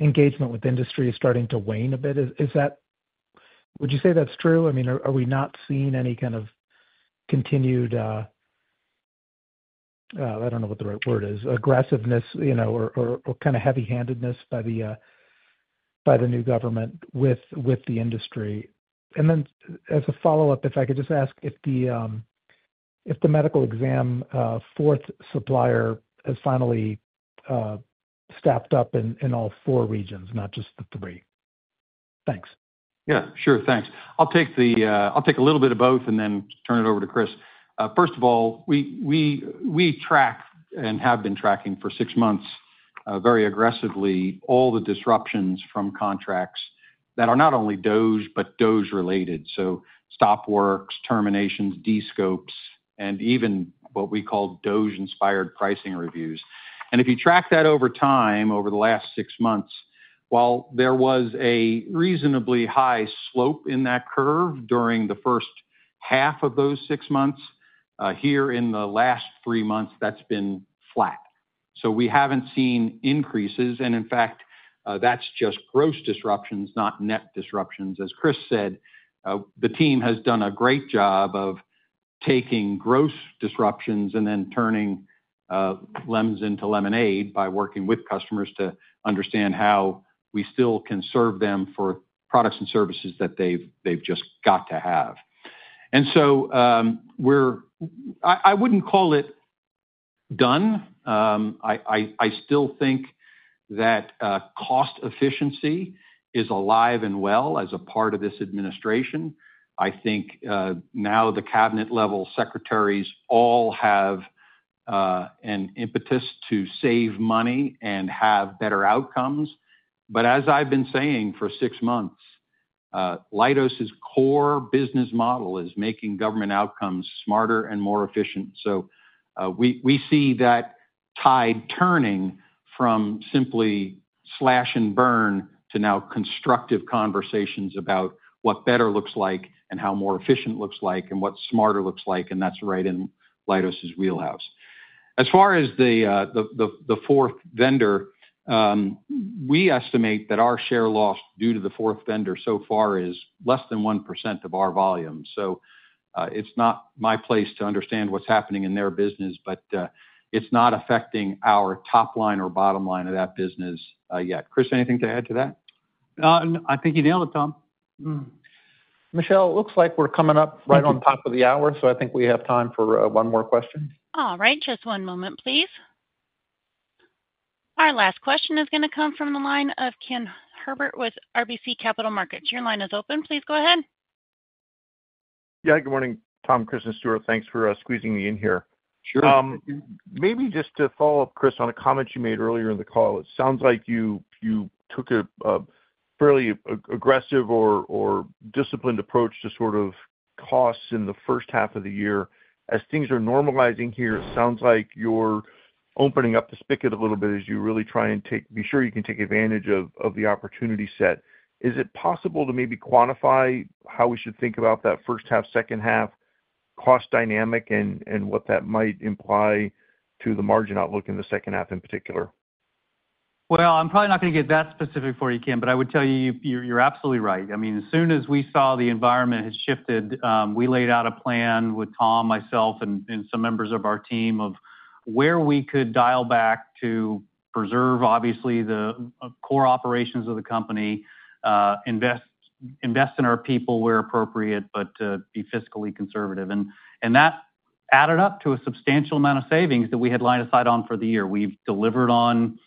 engagement with industry is starting to wane a bit. Is that, would you say that's true? I mean, are we not seeing any kind of continued, I don't know what. The right word is aggressiveness, you know. Or kind of heavy handedness by the new government with the industry. As a follow up, if I could just ask if the medical exam fourth supplier has finally staffed up in all four regions, not just the three. Thanks. Yeah, sure, thanks. I'll take a little bit of both and then turn it over to Chris. First of all, we track, and have been tracking for six months very aggressively all the disruptions from contracts that are not only DOGE but DOGE related. Stop works, terminations, D scopes, and even what we call DOGE inspired pricing reviews. If you track that over time, over the last six months, while there was a reasonably high slope in that curve during the first half of those six months, here in the last three months that's been flat. We haven't seen increases. In fact, that's just gross disruptions, not net disruptions. As Chris said, the team has done a great job of taking gross disruptions and then turning lemons into lemonade by working with customers to understand how we still can serve them for products and services that they've just got to have. I wouldn't call it done. I still think that cost efficiency is alive and well as a part of this administration. I think now the cabinet level secretaries all have an impetus to save money and have better outcomes. As I've been saying for six months, Leidos core business model is making government outcomes smarter and more efficient. We see that tide turning from simply slash and burn to now constructive conversations about what better looks like and how more efficient looks like and what smarter looks like. That's right in Leidos wheelhouse. As far as the fourth vendor, we estimate that our share loss due to the fourth vendor so far is less than 1% of our volume. It's not my place to understand what's happening in their business, but it's not affecting our top line or bottom line of that business yet. Chris, anything to add to that? I think you nailed it, Tom. Michelle, it looks like we're coming up right on top of the hour. I think we have time for one more question. All right, just one moment please. Our last question is going to come from the line of Ken Herbert with RBC Capital Markets. Your line is open. Please go ahead. Good morning, Tom, Chris and Stuart. Thanks for squeezing me in here. Maybe just to follow up, Chris, on a comment you made earlier in the call. It sounds like you took a fairly aggressive or disciplined approach to sort of costs in the first half of the year. As things are normalizing here, it sounds like you're opening up the spigot a little bit as you really try and be sure you can take advantage of the opportunity set. Is it possible to maybe quantify how we should think about that first half, second half cost dynamic and what that might imply to the margin outlook in the second half in particular? I'm probably not going to get that specific for you, Ken, but I would tell you, you're absolutely right. As soon as we saw the environment had shifted, we laid out a plan with Tom, myself, and some members of our team of where we could dial back to preserve obviously the core operations of the company, invest in our people where appropriate, but be fiscally conservative. That added up to a substantial amount of savings that we had line of sight on for the year. We've delivered on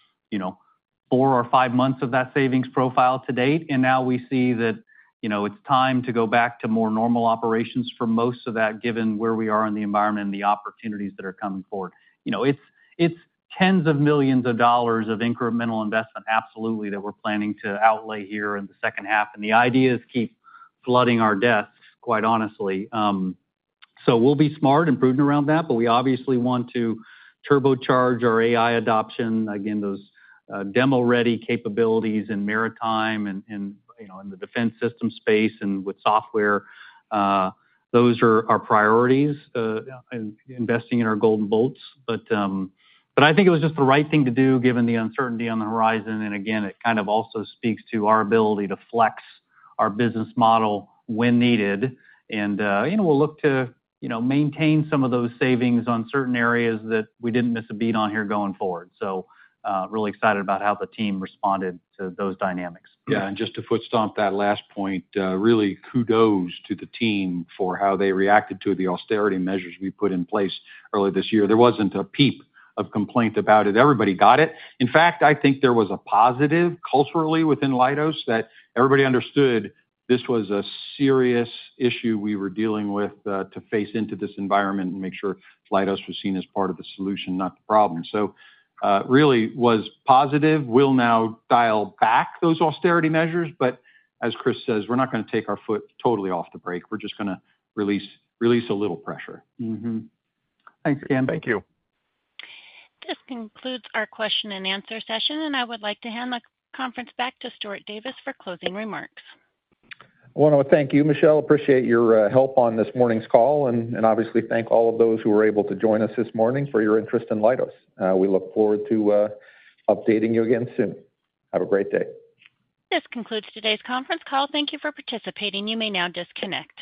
four or five months of that savings profile to date, and now we see that it's time to go back to more normal operations for most of that given where we are in the environment and the opportunities that are coming forward. It's tens of millions of dollars of incremental investment, absolutely, that we're planning to outlay here in the second half. The idea is keep flooding our depth, quite honestly. We'll be smart and prudent around that, but we obviously want to turbocharge our AI adoption again. Those demo-ready capabilities in maritime and in the defense system space and with software, those are our priorities, investing in our golden bolts. I think it was just the right thing to do given the uncertainty on the horizon. It kind of also speaks to our ability to flex our business model when needed, and we'll look to maintain some of those savings on certain areas that we didn't miss a beat on here going forward. Really excited about how the team responded to those dynamics. Yeah. Just to foot stomp that last point, really kudos to the team for how they reacted to the austerity measures we put in place earlier this year. There wasn't a peep of complaint about it. Everybody got it. In fact, I think there was a positive culturally within Leidos that everybody understood this was a serious issue we were dealing with to face into this environment and make sure Leidos was seen as part of the solution, not the problem. It really was positive. We'll now dial back those austerity measures, but as Chris says, we're not going to take our foot totally off the brake. We're just going to release, release a little pressure. Thanks, Ken. Thank you. This concludes our question and answer session, and I would like to hand the conference back to Stuart Davis for closing remarks. I want to thank you, Michelle, appreciate your help on this morning's call, and obviously thank all of those who were able to join us this morning for your interest in Leidos. We look forward to updating you again soon. Have a great day. This concludes today's conference call. Thank you for participating. You may now disconnect.